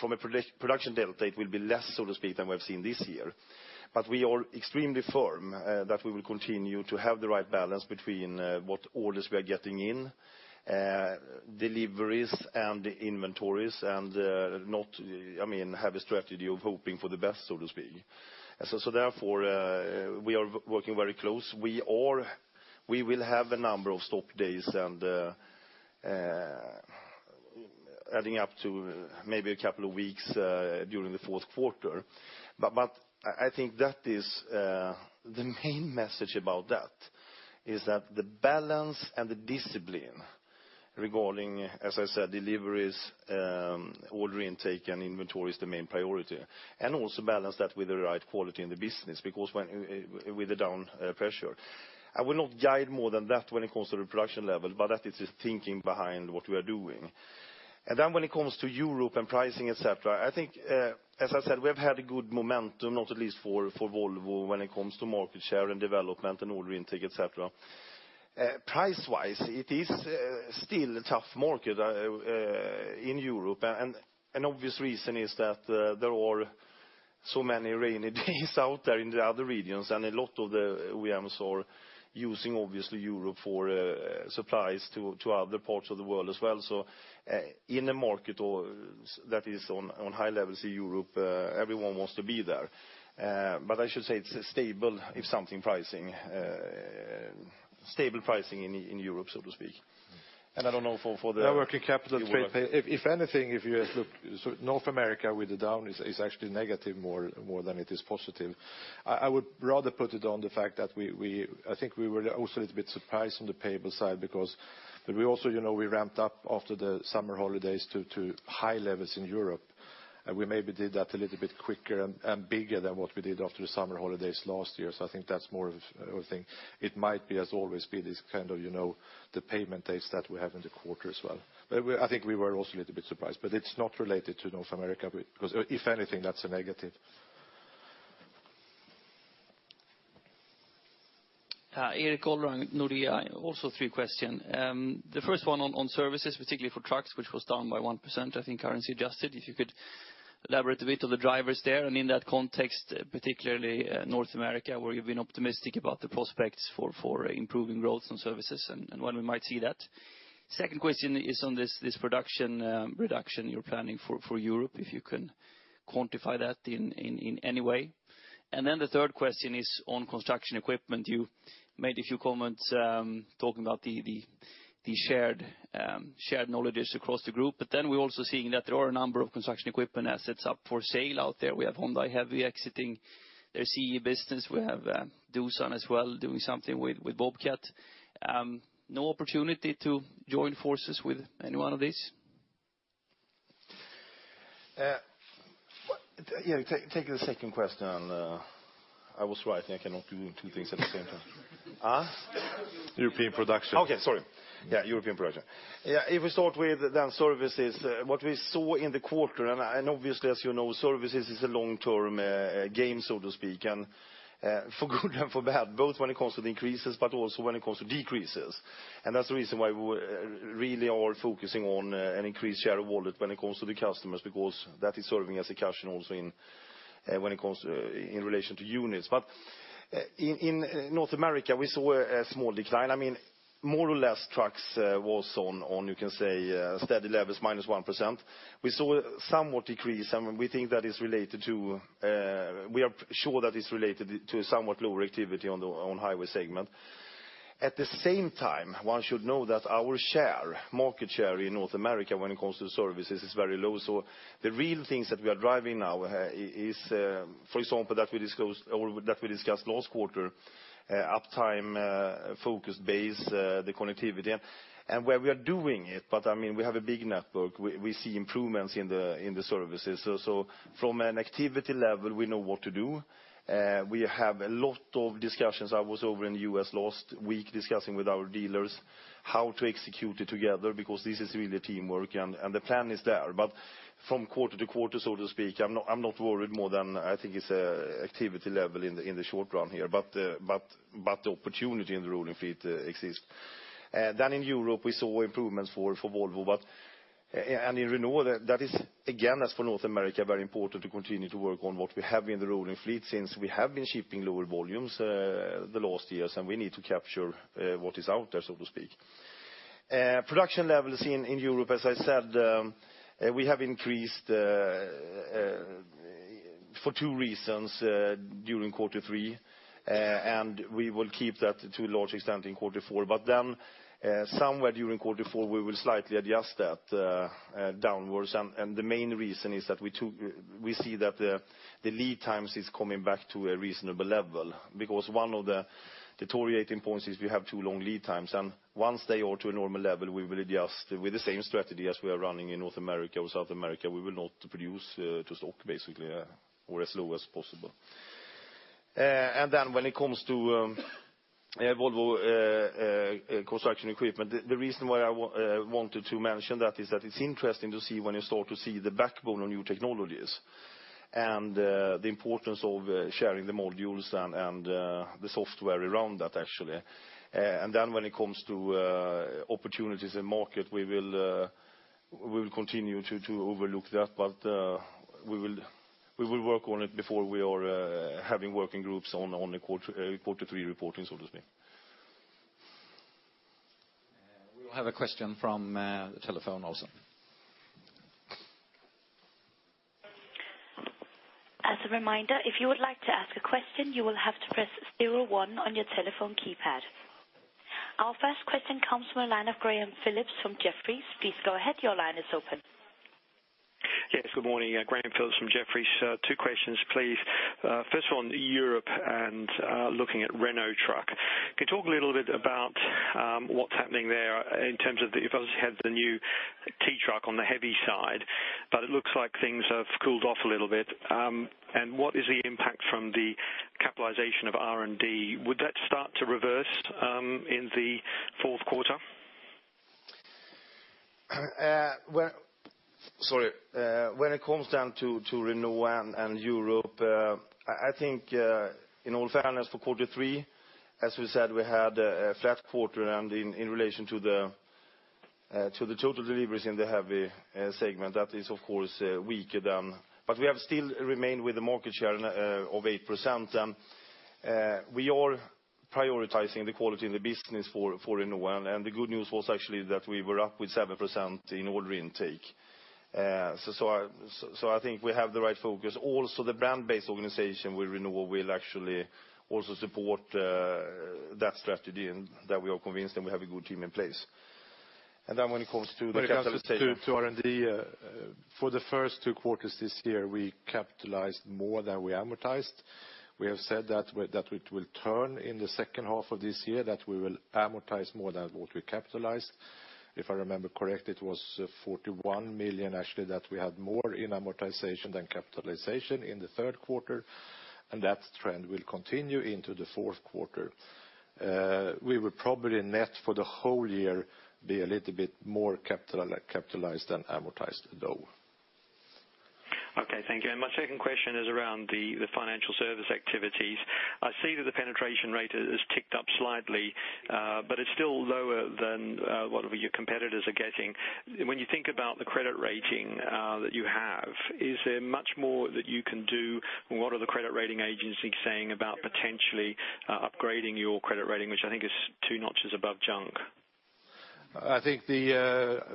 from a production delta, it will be less, so to speak, than we have seen this year. We are extremely firm that we will continue to have the right balance between what orders we are getting in, deliveries, and inventories, and not have a strategy of hoping for the best, so to speak. Therefore, we are working very close. We will have a number of stop days and adding up to maybe a couple of weeks during the fourth quarter. I think the main message about that is that the balance and the discipline regarding, as I said, deliveries, order intake, and inventory is the main priority. Also balance that with the right quality in the business, because with the down pressure. I will not guide more than that when it comes to the production level, but that is the thinking behind what we are doing. When it comes to Europe and pricing, et cetera, I think, as I said, we have had a good momentum, not at least for Volvo when it comes to market share and development and order intake, et cetera. Price-wise, it is still a tough market in Europe, and an obvious reason is that there are so many rainy days out there in the other regions, and a lot of the OEMs are using, obviously, Europe for supplies to other parts of the world as well. In a market that is on high levels in Europe, everyone wants to be there. I should say it is a stable, if something, pricing. Stable pricing in Europe, so to speak. Now working capital if anything, if you look North America with the down, it is actually negative more than it is positive. I would rather put it on the fact that I think we were also a little bit surprised on the payable side because we ramped up after the summer holidays to high levels in Europe. We maybe did that a little bit quicker and bigger than what we did after the summer holidays last year. I think that is more of a thing. It might always be this kind of the payment dates that we have in the quarter as well. I think we were also a little bit surprised, but it is not related to North America, because if anything, that is a negative. Erik Golrang, Nordea. Also three questions. The first one on services, particularly for trucks, which was down by 1%, I think currency adjusted. If you could elaborate a bit of the drivers there, and in that context, particularly North America, where you have been optimistic about the prospects for improving growth and services and when we might see that. Second question is on this production reduction you are planning for Europe, if you can quantify that in any way. The third question is on construction equipment. You made a few comments, talking about the shared knowledge across the group. We are also seeing that there are a number of construction equipment assets up for sale out there. We have Hyundai Heavy exiting their CE business. We have Doosan as well, doing something with Bobcat. No opportunity to join forces with any one of these? Take the second question. I was writing. I cannot do two things at the same time. European production. Okay, sorry. Yeah, European production. If we start with services, what we saw in the quarter, obviously, as you know, services is a long-term game, so to speak, and for good and for bad, both when it comes to the increases, but also when it comes to decreases. That's the reason why we really are focusing on an increased share of wallet when it comes to the customers, because that is serving as a cushion also when it comes in relation to units. In North America, we saw a small decline. More or less trucks was on, you can say, steady levels, minus 1%. We saw somewhat decrease, and we are sure that it's related to somewhat lower activity on the highway segment. At the same time, one should know that our market share in North America when it comes to services is very low. The real things that we are driving now is, for example, that we discussed last quarter, uptime, focus base, the connectivity, and where we are doing it. We have a big network. We see improvements in the services. From an activity level, we know what to do. We have a lot of discussions. I was over in the U.S. last week discussing with our dealers how to execute it together, because this is really teamwork, and the plan is there. From quarter to quarter, so to speak, I'm not worried more than I think it's activity level in the short run here. The opportunity in the rolling fleet exists. In Europe, we saw improvements for Volvo. In Renault that is, again, as for North America, very important to continue to work on what we have in the rolling fleet since we have been shipping lower volumes the last years, and we need to capture what is out there, so to speak. Production levels in Europe, as I said, we have increased for two reasons during quarter three, and we will keep that to a large extent in quarter four. Somewhere during quarter four, we will slightly adjust that downwards, and the main reason is that we see that the lead times is coming back to a reasonable level. Because one of the deteriorating points is we have too long lead times, and once they are to a normal level, we will adjust with the same strategy as we are running in North America or South America. We will not produce to stock, basically, or as low as possible. When it comes to Volvo Construction Equipment, the reason why I wanted to mention that is that it's interesting to see when you start to see the backbone of new technologies and the importance of sharing the modules and the software around that actually. When it comes to opportunities in market, we will continue to overlook that, but we will work on it before we are having working groups on the quarter three reporting, so to speak. We will have a question from the telephone also. As a reminder, if you would like to ask a question, you will have to press zero one on your telephone keypad. Our first question comes from the line of Graham Phillips from Jefferies. Please go ahead. Your line is open. Yes. Good morning. Graham Phillips from Jefferies. Two questions, please. First of all, on Europe and looking at Renault Trucks. Can you talk a little bit about what's happening there in terms of, you obviously have the new T truck on the heavy side, but it looks like things have cooled off a little bit. What is the impact from the capitalization of R&D? Would that start to reverse in the fourth quarter? When it comes down to Renault and Europe, I think, in all fairness for quarter three, as we said, we had a flat quarter in relation to the total deliveries in the heavy segment. That is of course weaker than. We have still remained with a market share of 8%. We are prioritizing the quality in the business for Renault. The good news was actually that we were up with 7% in order intake. I think we have the right focus. Also, the brand-based organization with Renault will actually also support that strategy, and that we are convinced and we have a good team in place. When it comes to the capital statement. When it comes to R&D, for the first two quarters this year, we capitalized more than we amortized. We have said that it will turn in the second half of this year, that we will amortize more than what we capitalized. If I remember correctly, it was 41 million actually that we had more in amortization than capitalization in the third quarter, and that trend will continue into the fourth quarter. We will probably net for the whole year be a little bit more capitalized than amortized, though. Okay, thank you. My second question is around the financial service activities. I see that the penetration rate has ticked up slightly, it's still lower than what your competitors are getting. When you think about the credit rating that you have, is there much more that you can do? What are the credit rating agencies saying about potentially upgrading your credit rating, which I think is 2 notches above junk?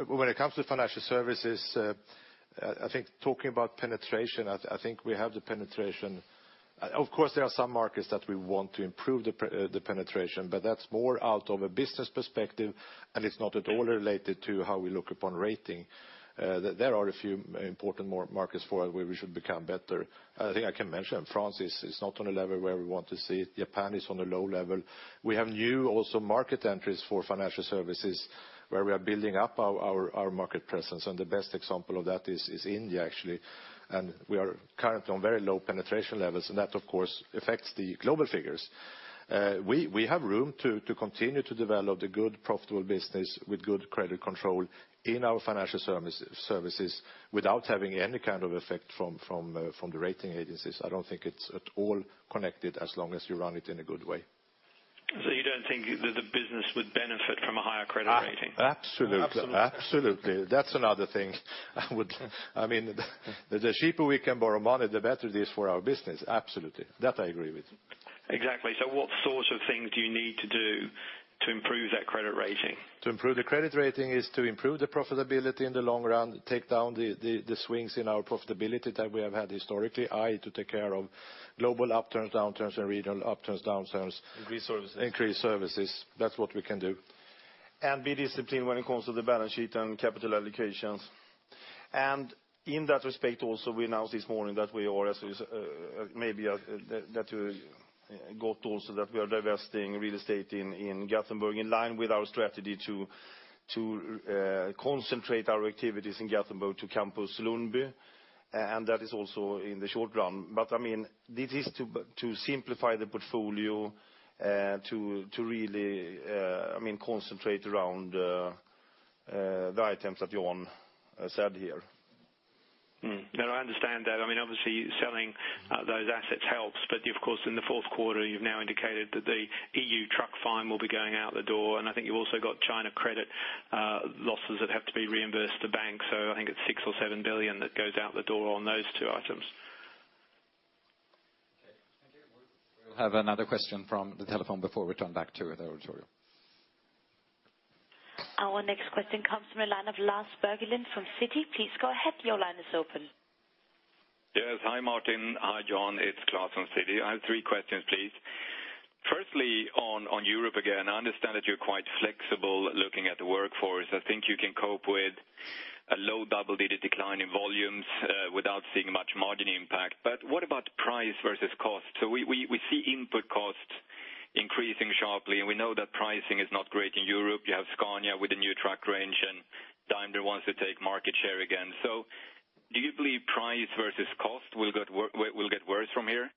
When it comes to financial services, talking about penetration, I think we have the penetration. Of course, there are some markets that we want to improve the penetration, that's more out of a business perspective, it's not at all related to how we look upon rating. There are a few important markets where we should become better. I think I can mention France is not on a level where we want to see it. Japan is on a low level. We have new also market entries for financial services where we are building up our market presence, the best example of that is India, actually. We are currently on very low penetration levels, that, of course, affects the global figures. We have room to continue to develop the good profitable business with good credit control in our financial services without having any kind of effect from the rating agencies. I don't think it's at all connected as long as you run it in a good way. You don't think that the business would benefit from a higher credit rating? Absolutely. That's another thing. The cheaper we can borrow money, the better it is for our business. Absolutely. That I agree with. Exactly. What sort of things do you need to do to improve that credit rating? To improve the credit rating is to improve the profitability in the long run, take down the swings in our profitability that we have had historically, i.e., to take care of global upturns, downturns, and regional upturns, downturns. Increase services. Increase services. That's what we can do. Be disciplined when it comes to the balance sheet and capital allocations. In that respect also, we announced this morning that we are, as maybe that you got also, that we are divesting real estate in Gothenburg in line with our strategy to concentrate our activities in Gothenburg to Campus Lundby. That is also in the short run. This is to simplify the portfolio to really concentrate around the items that Jan said here. No, I understand that. Of course, in the fourth quarter, you've now indicated that the EU truck fine will be going out the door, and I think you've also got China credit losses that have to be reimbursed to banks. I think it's 6 or 7 billion that goes out the door on those two items. Okay. We have another question from the telephone before we turn back to the auditorium. Our next question comes from the line of Klas Bergelind from Citi. Please go ahead. Your line is open. Yes. Hi, Martin. Hi, Johan. It's Klas from Citi. I have three questions, please. Firstly, on Europe again, I understand that you're quite flexible looking at the workforce. I think you can cope with a low double-digit decline in volumes without seeing much margin impact. What about price versus cost? We see input costs increasing sharply, and we know that pricing is not great in Europe. You have Scania with a new truck range, and Daimler wants to take market share again. Do you believe price versus cost will get worse from here?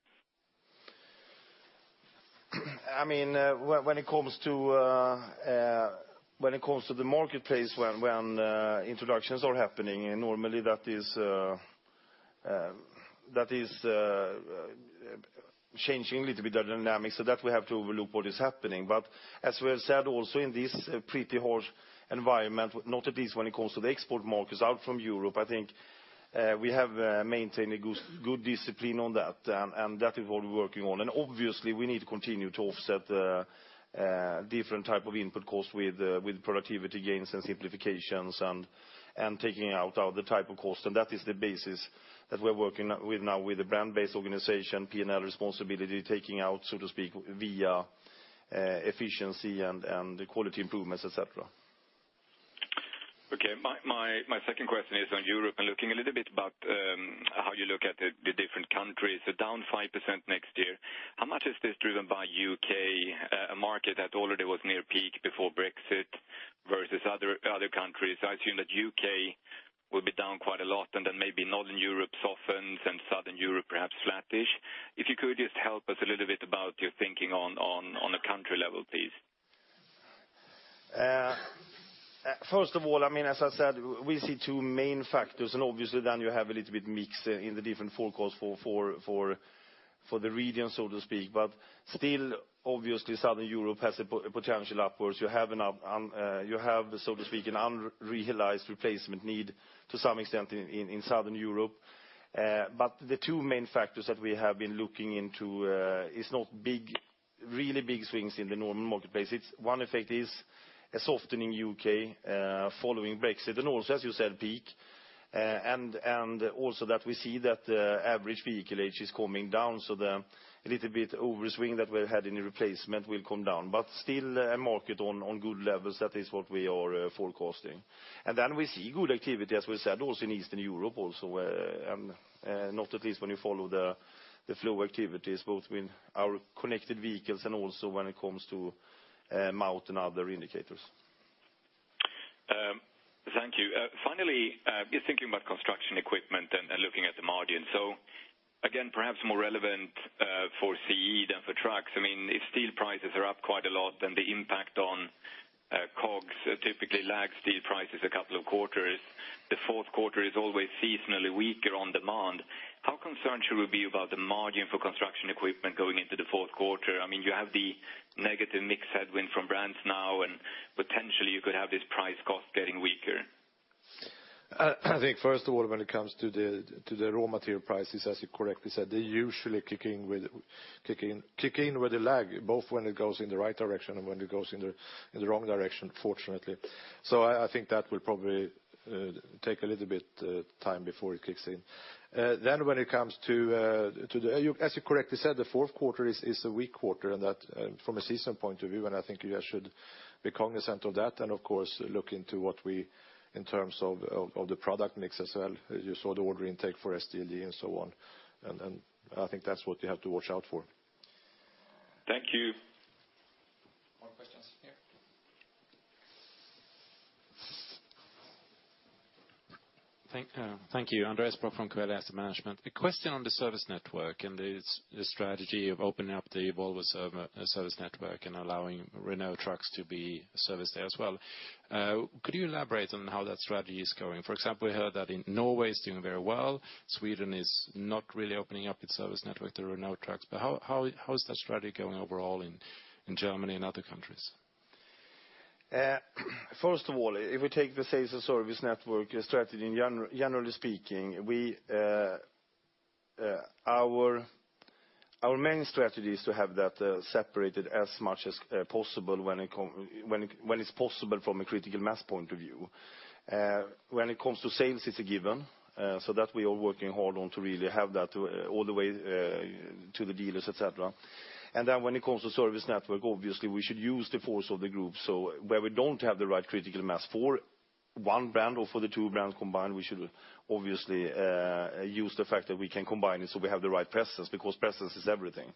When it comes to the marketplace, when introductions are happening, normally that is changing a little bit, the dynamics, so that we have to overlook what is happening. As we have said also in this pretty harsh environment, not at least when it comes to the export markets out from Europe, I think we have maintained a good discipline on that, and that is what we're working on. Obviously, we need to continue to offset the different type of input costs with productivity gains and simplifications and taking out the type of cost. That is the basis that we're working with now with the brand-based organization, P&L responsibility, taking out, so to speak, via efficiency and quality improvements, et cetera. Okay. My second question is on Europe and looking a little bit about how you look at the different countries. They're down 5% next year. How much is this driven by U.K., a market that already was near peak before Brexit, versus other countries? I assume that U.K. will be down quite a lot, and then maybe Northern Europe softens and Southern Europe perhaps flattish. If you could just help us a little bit about your thinking on a country level, please. First of all, as I said, we see two main factors, and obviously then you have a little bit mix in the different forecasts for the region, so to speak. Still, obviously, Southern Europe has a potential upwards. You have, so to speak, an unrealized replacement need to some extent in Southern Europe. The two main factors that we have been looking into is not big Really big swings in the normal marketplace. One effect is a softening U.K. following Brexit, as you said, peak, and also that we see that the average vehicle age is coming down. A little bit overswing that we had in replacement will come down. Still a market on good levels. That is what we are forecasting. We see good activity, as we said, also in Eastern Europe also, and not at least when you follow the flow activities, both with our connected vehicles and also when it comes to amount and other indicators. Thank you. Finally, just thinking about construction equipment and looking at the margin. Again, perhaps more relevant for CE than for trucks. If steel prices are up quite a lot, then the impact on COGS typically lags steel prices a couple of quarters. The fourth quarter is always seasonally weaker on demand. How concerned should we be about the margin for construction equipment going into the fourth quarter? You have the negative mix headwind from brands now, and potentially you could have this price cost getting weaker. I think first of all, when it comes to the raw material prices, as you correctly said, they usually kick in with a lag, both when it goes in the right direction and when it goes in the wrong direction, fortunately. I think that will probably take a little bit time before it kicks in. When it comes to, as you correctly said, the fourth quarter is a weak quarter and that from a season point of view, and I think you guys should be cognizant of that and of course, look into what we, in terms of the product mix as well. You saw the order intake for SDLG and so on, and I think that's what you have to watch out for. Thank you. More questions here. Thank you. Andreas Brock from QIC Asset Management. A question on the service network and the strategy of opening up the Volvo service network and allowing Renault Trucks to be serviced there as well. Could you elaborate on how that strategy is going? For example, we heard that in Norway it's doing very well. Sweden is not really opening up its service network to Renault Trucks, how is that strategy going overall in Germany and other countries? First of all, if we take the sales and service network strategy, generally speaking, our main strategy is to have that separated as much as possible when it's possible from a critical mass point of view. When it comes to sales, it's a given, that we are working hard on to really have that all the way to the dealers, et cetera. When it comes to service network, obviously we should use the force of the group. Where we don't have the right critical mass for one brand or for the two brands combined, we should obviously use the fact that we can combine it so we have the right presence, because presence is everything.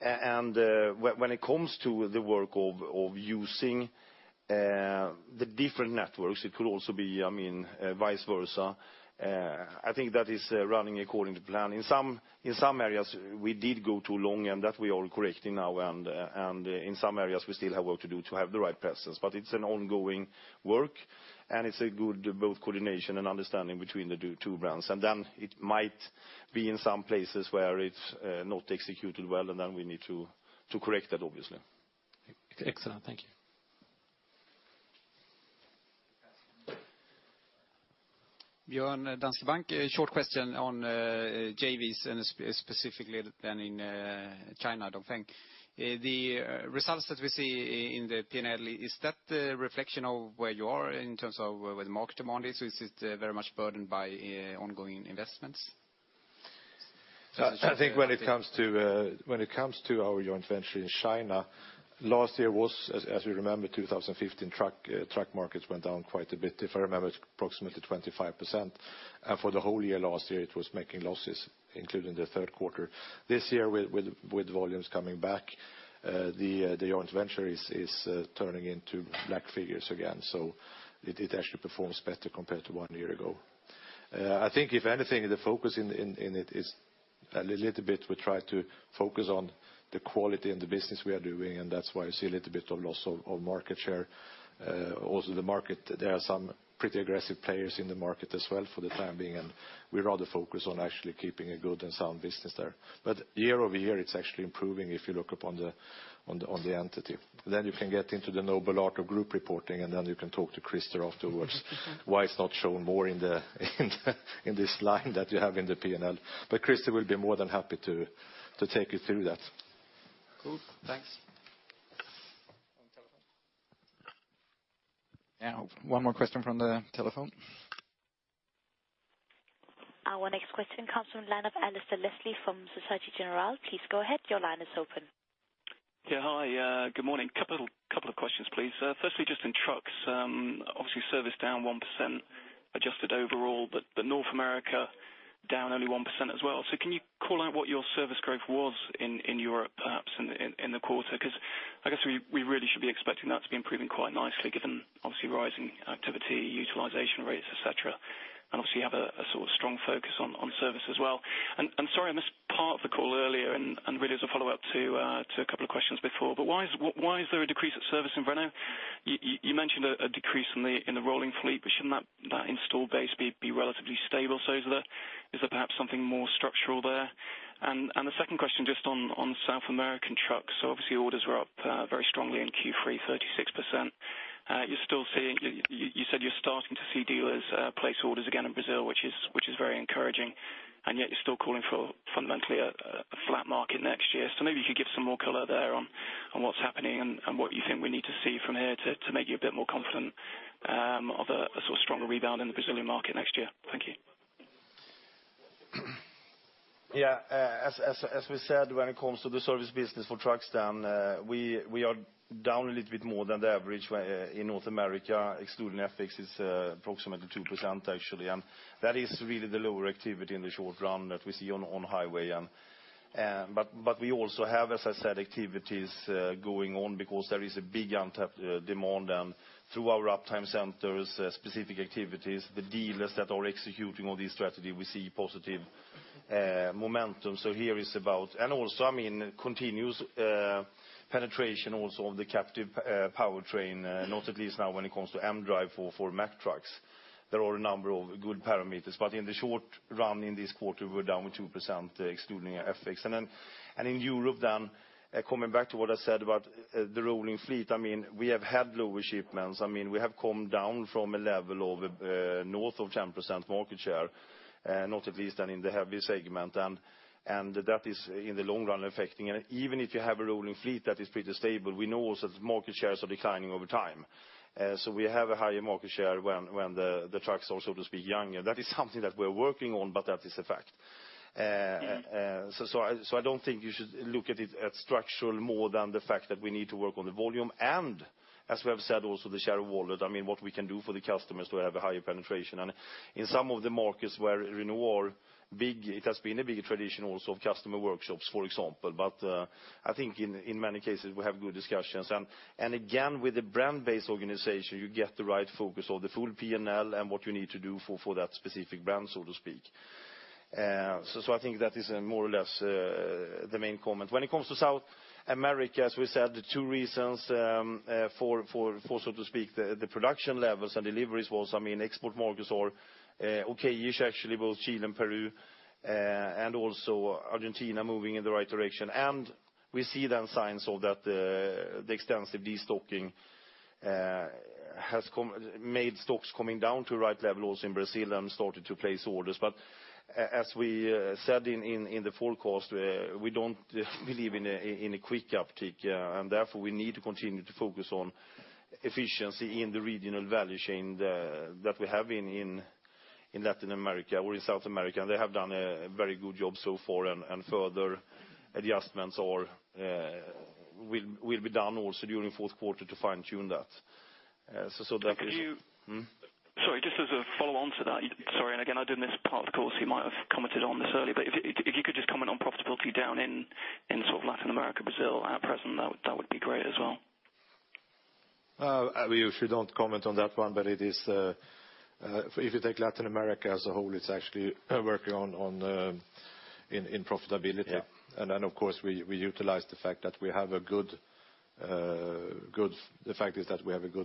When it comes to the work of using the different networks, it could also be vice versa. I think that is running according to plan. In some areas, we did go too long, that we are correcting now, in some areas we still have work to do to have the right presence. It's an ongoing work, it's a good both coordination and understanding between the two brands. It might be in some places where it's not executed well, we need to correct that, obviously. Excellent. Thank you. Björn, Danske Bank. A short question on JVs and specifically then in China, I don't think. The results that we see in the P&L, is that a reflection of where you are in terms of where the market demand is? Is it very much burdened by ongoing investments? I think when it comes to our joint venture in China, last year was, as you remember, 2015, truck markets went down quite a bit, if I remember, approximately 25%. For the whole year last year, it was making losses, including the third quarter. This year, with volumes coming back, the joint venture is turning into black figures again. It actually performs better compared to one year ago. I think, if anything, the focus in it is a little bit we try to focus on the quality and the business we are doing, and that's why you see a little bit of loss of market share. The market, there are some pretty aggressive players in the market as well for the time being, and we rather focus on actually keeping a good and sound business there. Year-over-year, it's actually improving if you look upon the entity. You can get into the noble art of group reporting, you can talk to Christer afterwards why it's not shown more in this line that you have in the P&L. Christer will be more than happy to take you through that. Cool. Thanks. Yeah. One more question from the telephone. Our next question comes from the line of Alasdair Leslie from Societe Generale. Please go ahead. Your line is open. Yeah. Hi. Good morning. 2 questions, please. Firstly, just in trucks, obviously service down 1%, adjusted overall, but North America down only 1% as well. Can you call out what your service growth was in Europe, perhaps in the quarter? Because I guess we really should be expecting that to be improving quite nicely given obviously rising activity, utilization rates, et cetera. Obviously you have a sort of strong focus on service as well. Sorry, I missed part of the call earlier, and really as a follow-up to 2 questions before, but why is there a decrease at service in Renault Trucks? You mentioned a decrease in the rolling fleet, but shouldn't that installed base be relatively stable? Is there perhaps something more structural there? The second question, just on South American trucks, obviously orders were up very strongly in Q3, 36%. You said you're starting to see dealers place orders again in Brazil, which is very encouraging, and yet you're still calling for fundamentally a flat market next year. Maybe you could give some more color there on what's happening and what you think we need to see from here to make you a bit more confident of a stronger rebound in the Brazilian market next year. Thank you. Yeah. As we said, when it comes to the service business for trucks, we are down a little bit more than the average in North America, excluding FX, it's approximately 2%, actually. That is really the lower activity in the short run that we see on highway. We also have, as I said, activities going on because there is a big untapped demand. Through our uptime centers, specific activities, the dealers that are executing on this strategy, we see positive momentum. Also continuous penetration also of the captive powertrain, not at least now when it comes to mDrive for Mack Trucks. There are a number of good parameters, but in the short run in this quarter, we're down with 2% excluding FX. In Europe, coming back to what I said about the rolling fleet, we have had lower shipments. We have come down from a level of north of 10% market share, not at least in the heavy segment. That is in the long run affecting. Even if you have a rolling fleet that is pretty stable, we know also that market shares are declining over time. We have a higher market share when the trucks are, so to speak, younger. That is something that we're working on, but that is a fact. I don't think you should look at it as structural more than the fact that we need to work on the volume. As we have said, also the share of wallet, what we can do for the customers to have a higher penetration. In some of the markets where we know it has been a big tradition also of customer workshops, for example. I think in many cases, we have good discussions. Again, with a brand-based organization, you get the right focus of the full P&L and what you need to do for that specific brand, so to speak. I think that is more or less the main comment. When it comes to South America, as we said, the two reasons for, so to speak, the production levels and deliveries was export markets are okay-ish, actually, both Chile and Peru, and also Argentina moving in the right direction. We see then signs of that extensive de-stocking has made stocks coming down to the right level also in Brazil and started to place orders. As we said in the forecast, we don't believe in a quick uptick, and therefore we need to continue to focus on efficiency in the regional value chain that we have in Latin America or in South America. They have done a very good job so far, and further adjustments will be done also during the fourth quarter to fine-tune that. That is. Sorry, just as a follow-on to that. Sorry. Again, I didn't miss part. Of course, you might have commented on this earlier, but if you could just comment on profitability down in Latin America, Brazil at present, that would be great as well. We usually don't comment on that one, but if you take Latin America as a whole, it's actually working in profitability. Yeah. Of course, we utilize the fact that we have a good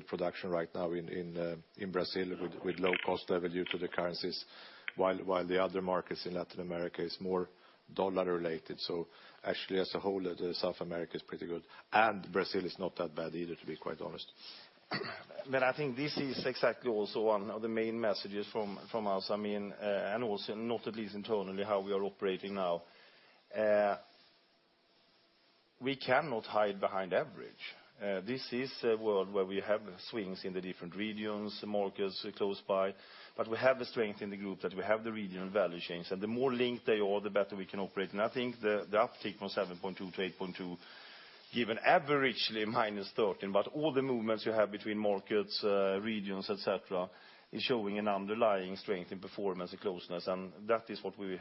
production right now in Brazil with low cost there due to the currencies, while the other markets in Latin America is more dollar related. As a whole, South America is pretty good, and Brazil is not that bad either, to be quite honest. I think this is exactly also one of the main messages from us, and also not at least internally, how we are operating now. We cannot hide behind average. This is a world where we have swings in the different regions, markets close by, but we have the strength in the group that we have the regional value chains. The more linked they are, the better we can operate. I think the uptick from 7.2 to 8.2 give an averagely -13, but all the movements you have between markets, regions, et cetera, is showing an underlying strength in performance and closeness, and that is what we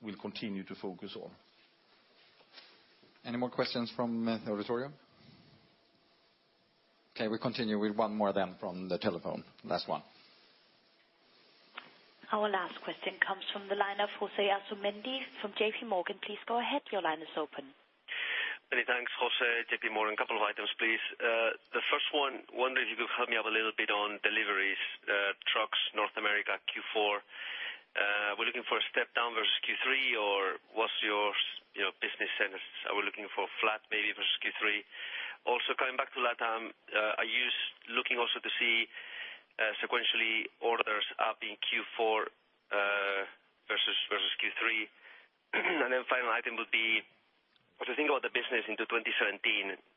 will continue to focus on. Any more questions from the auditorium? We continue with one more from the telephone. Last one. Our last question comes from the line of Jose Asumendi from JPMorgan. Please go ahead. Your line is open. Many thanks. José, JPMorgan. A couple of items, please. The first one, wonder if you could help me out a little bit on deliveries, trucks, North America, Q4. We're looking for a step down versus Q3, or what's your business sense? Are we looking for flat maybe versus Q3? Coming back to LatAm, are you looking also to see sequentially orders up in Q4 versus Q3? Final item would be what you think about the business into 2017,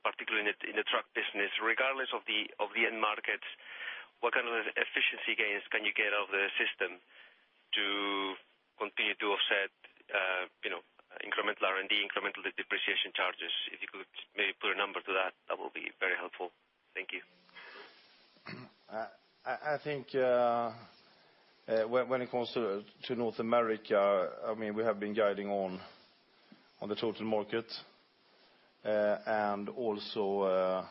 particularly in the truck business, regardless of the end markets, what kind of efficiency gains can you get out of the system to continue to offset incremental R&D, incremental depreciation charges? If you could maybe put a number to that will be very helpful. Thank you. I think when it comes to North America, we have been guiding on the total market. Also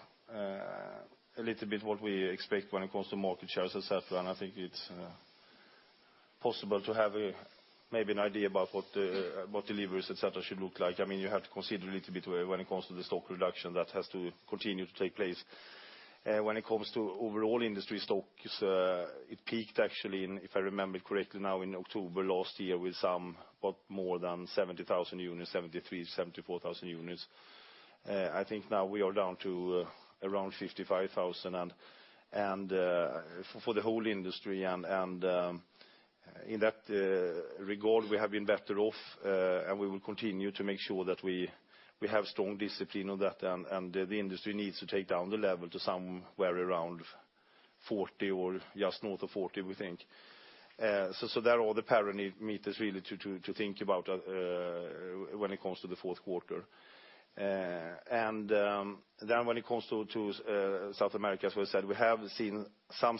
a little bit what we expect when it comes to market shares, et cetera. I think it's possible to have maybe an idea about what deliveries, et cetera, should look like. You have to consider a little bit when it comes to the stock reduction that has to continue to take place. When it comes to overall industry stock, it peaked actually, if I remember correctly, now in October last year with some what, more than 70,000 units, 73,000, 74,000 units. I think now we are down to around 55,000 for the whole industry. In that regard, we have been better off. We will continue to make sure that we have strong discipline on that. The industry needs to take down the level to somewhere around 40 or just north of 40, we think. There are all the parameters really to think about when it comes to the fourth quarter. When it comes to South America, as we said, we have seen some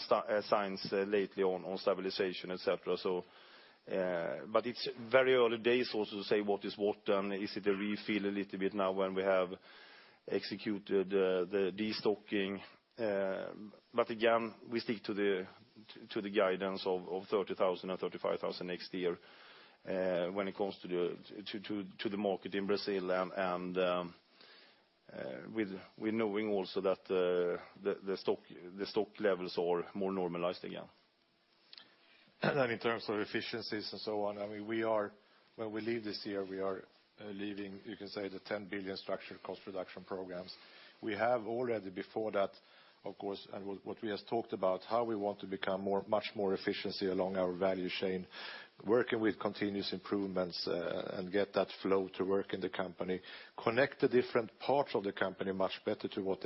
signs lately on stabilization, et cetera. It's very early days also to say what is what. Is it a refill a little bit now when we have executed the de-stocking? Again, we stick to the guidance of 30,000 or 35,000 next year when it comes to the market in Brazil, with knowing also that the stock levels are more normalized again. In terms of efficiencies and so on, when we leave this year, we are leaving, you can say, the 10 billion structural cost reduction programs. We have already before that, of course, what we have talked about, how we want to become much more efficiency along our value chain, working with continuous improvements. Get that flow to work in the company, connect the different parts of the company much better to what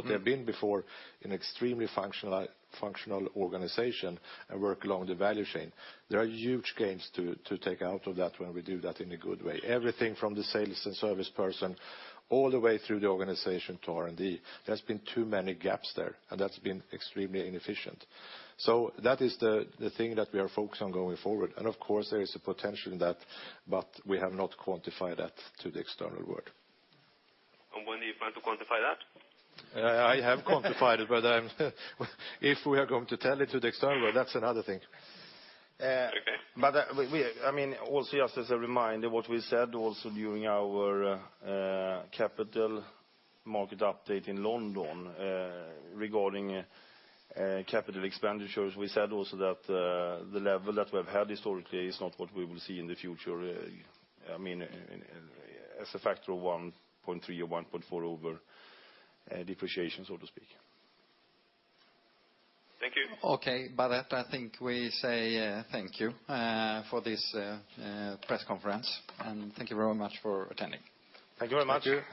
they've been before, an extremely functional organization. Work along the value chain. There are huge gains to take out of that when we do that in a good way. Everything from the sales and service person, all the way through the organization to R&D. There's been too many gaps there. That's been extremely inefficient. That is the thing that we are focused on going forward. Of course, there is a potential in that, but we have not quantified that to the external world. When do you plan to quantify that? I have quantified it, but if we are going to tell it to the external world, that's another thing. Okay. Also, just as a reminder, what we said also during our capital market update in London, regarding capital expenditures, we said also that the level that we've had historically is not what we will see in the future. As a factor of 1.3 or 1.4 over depreciation, so to speak. Thank you. Okay. By that, I think we say thank you for this press conference, and thank you very much for attending. Thank you very much.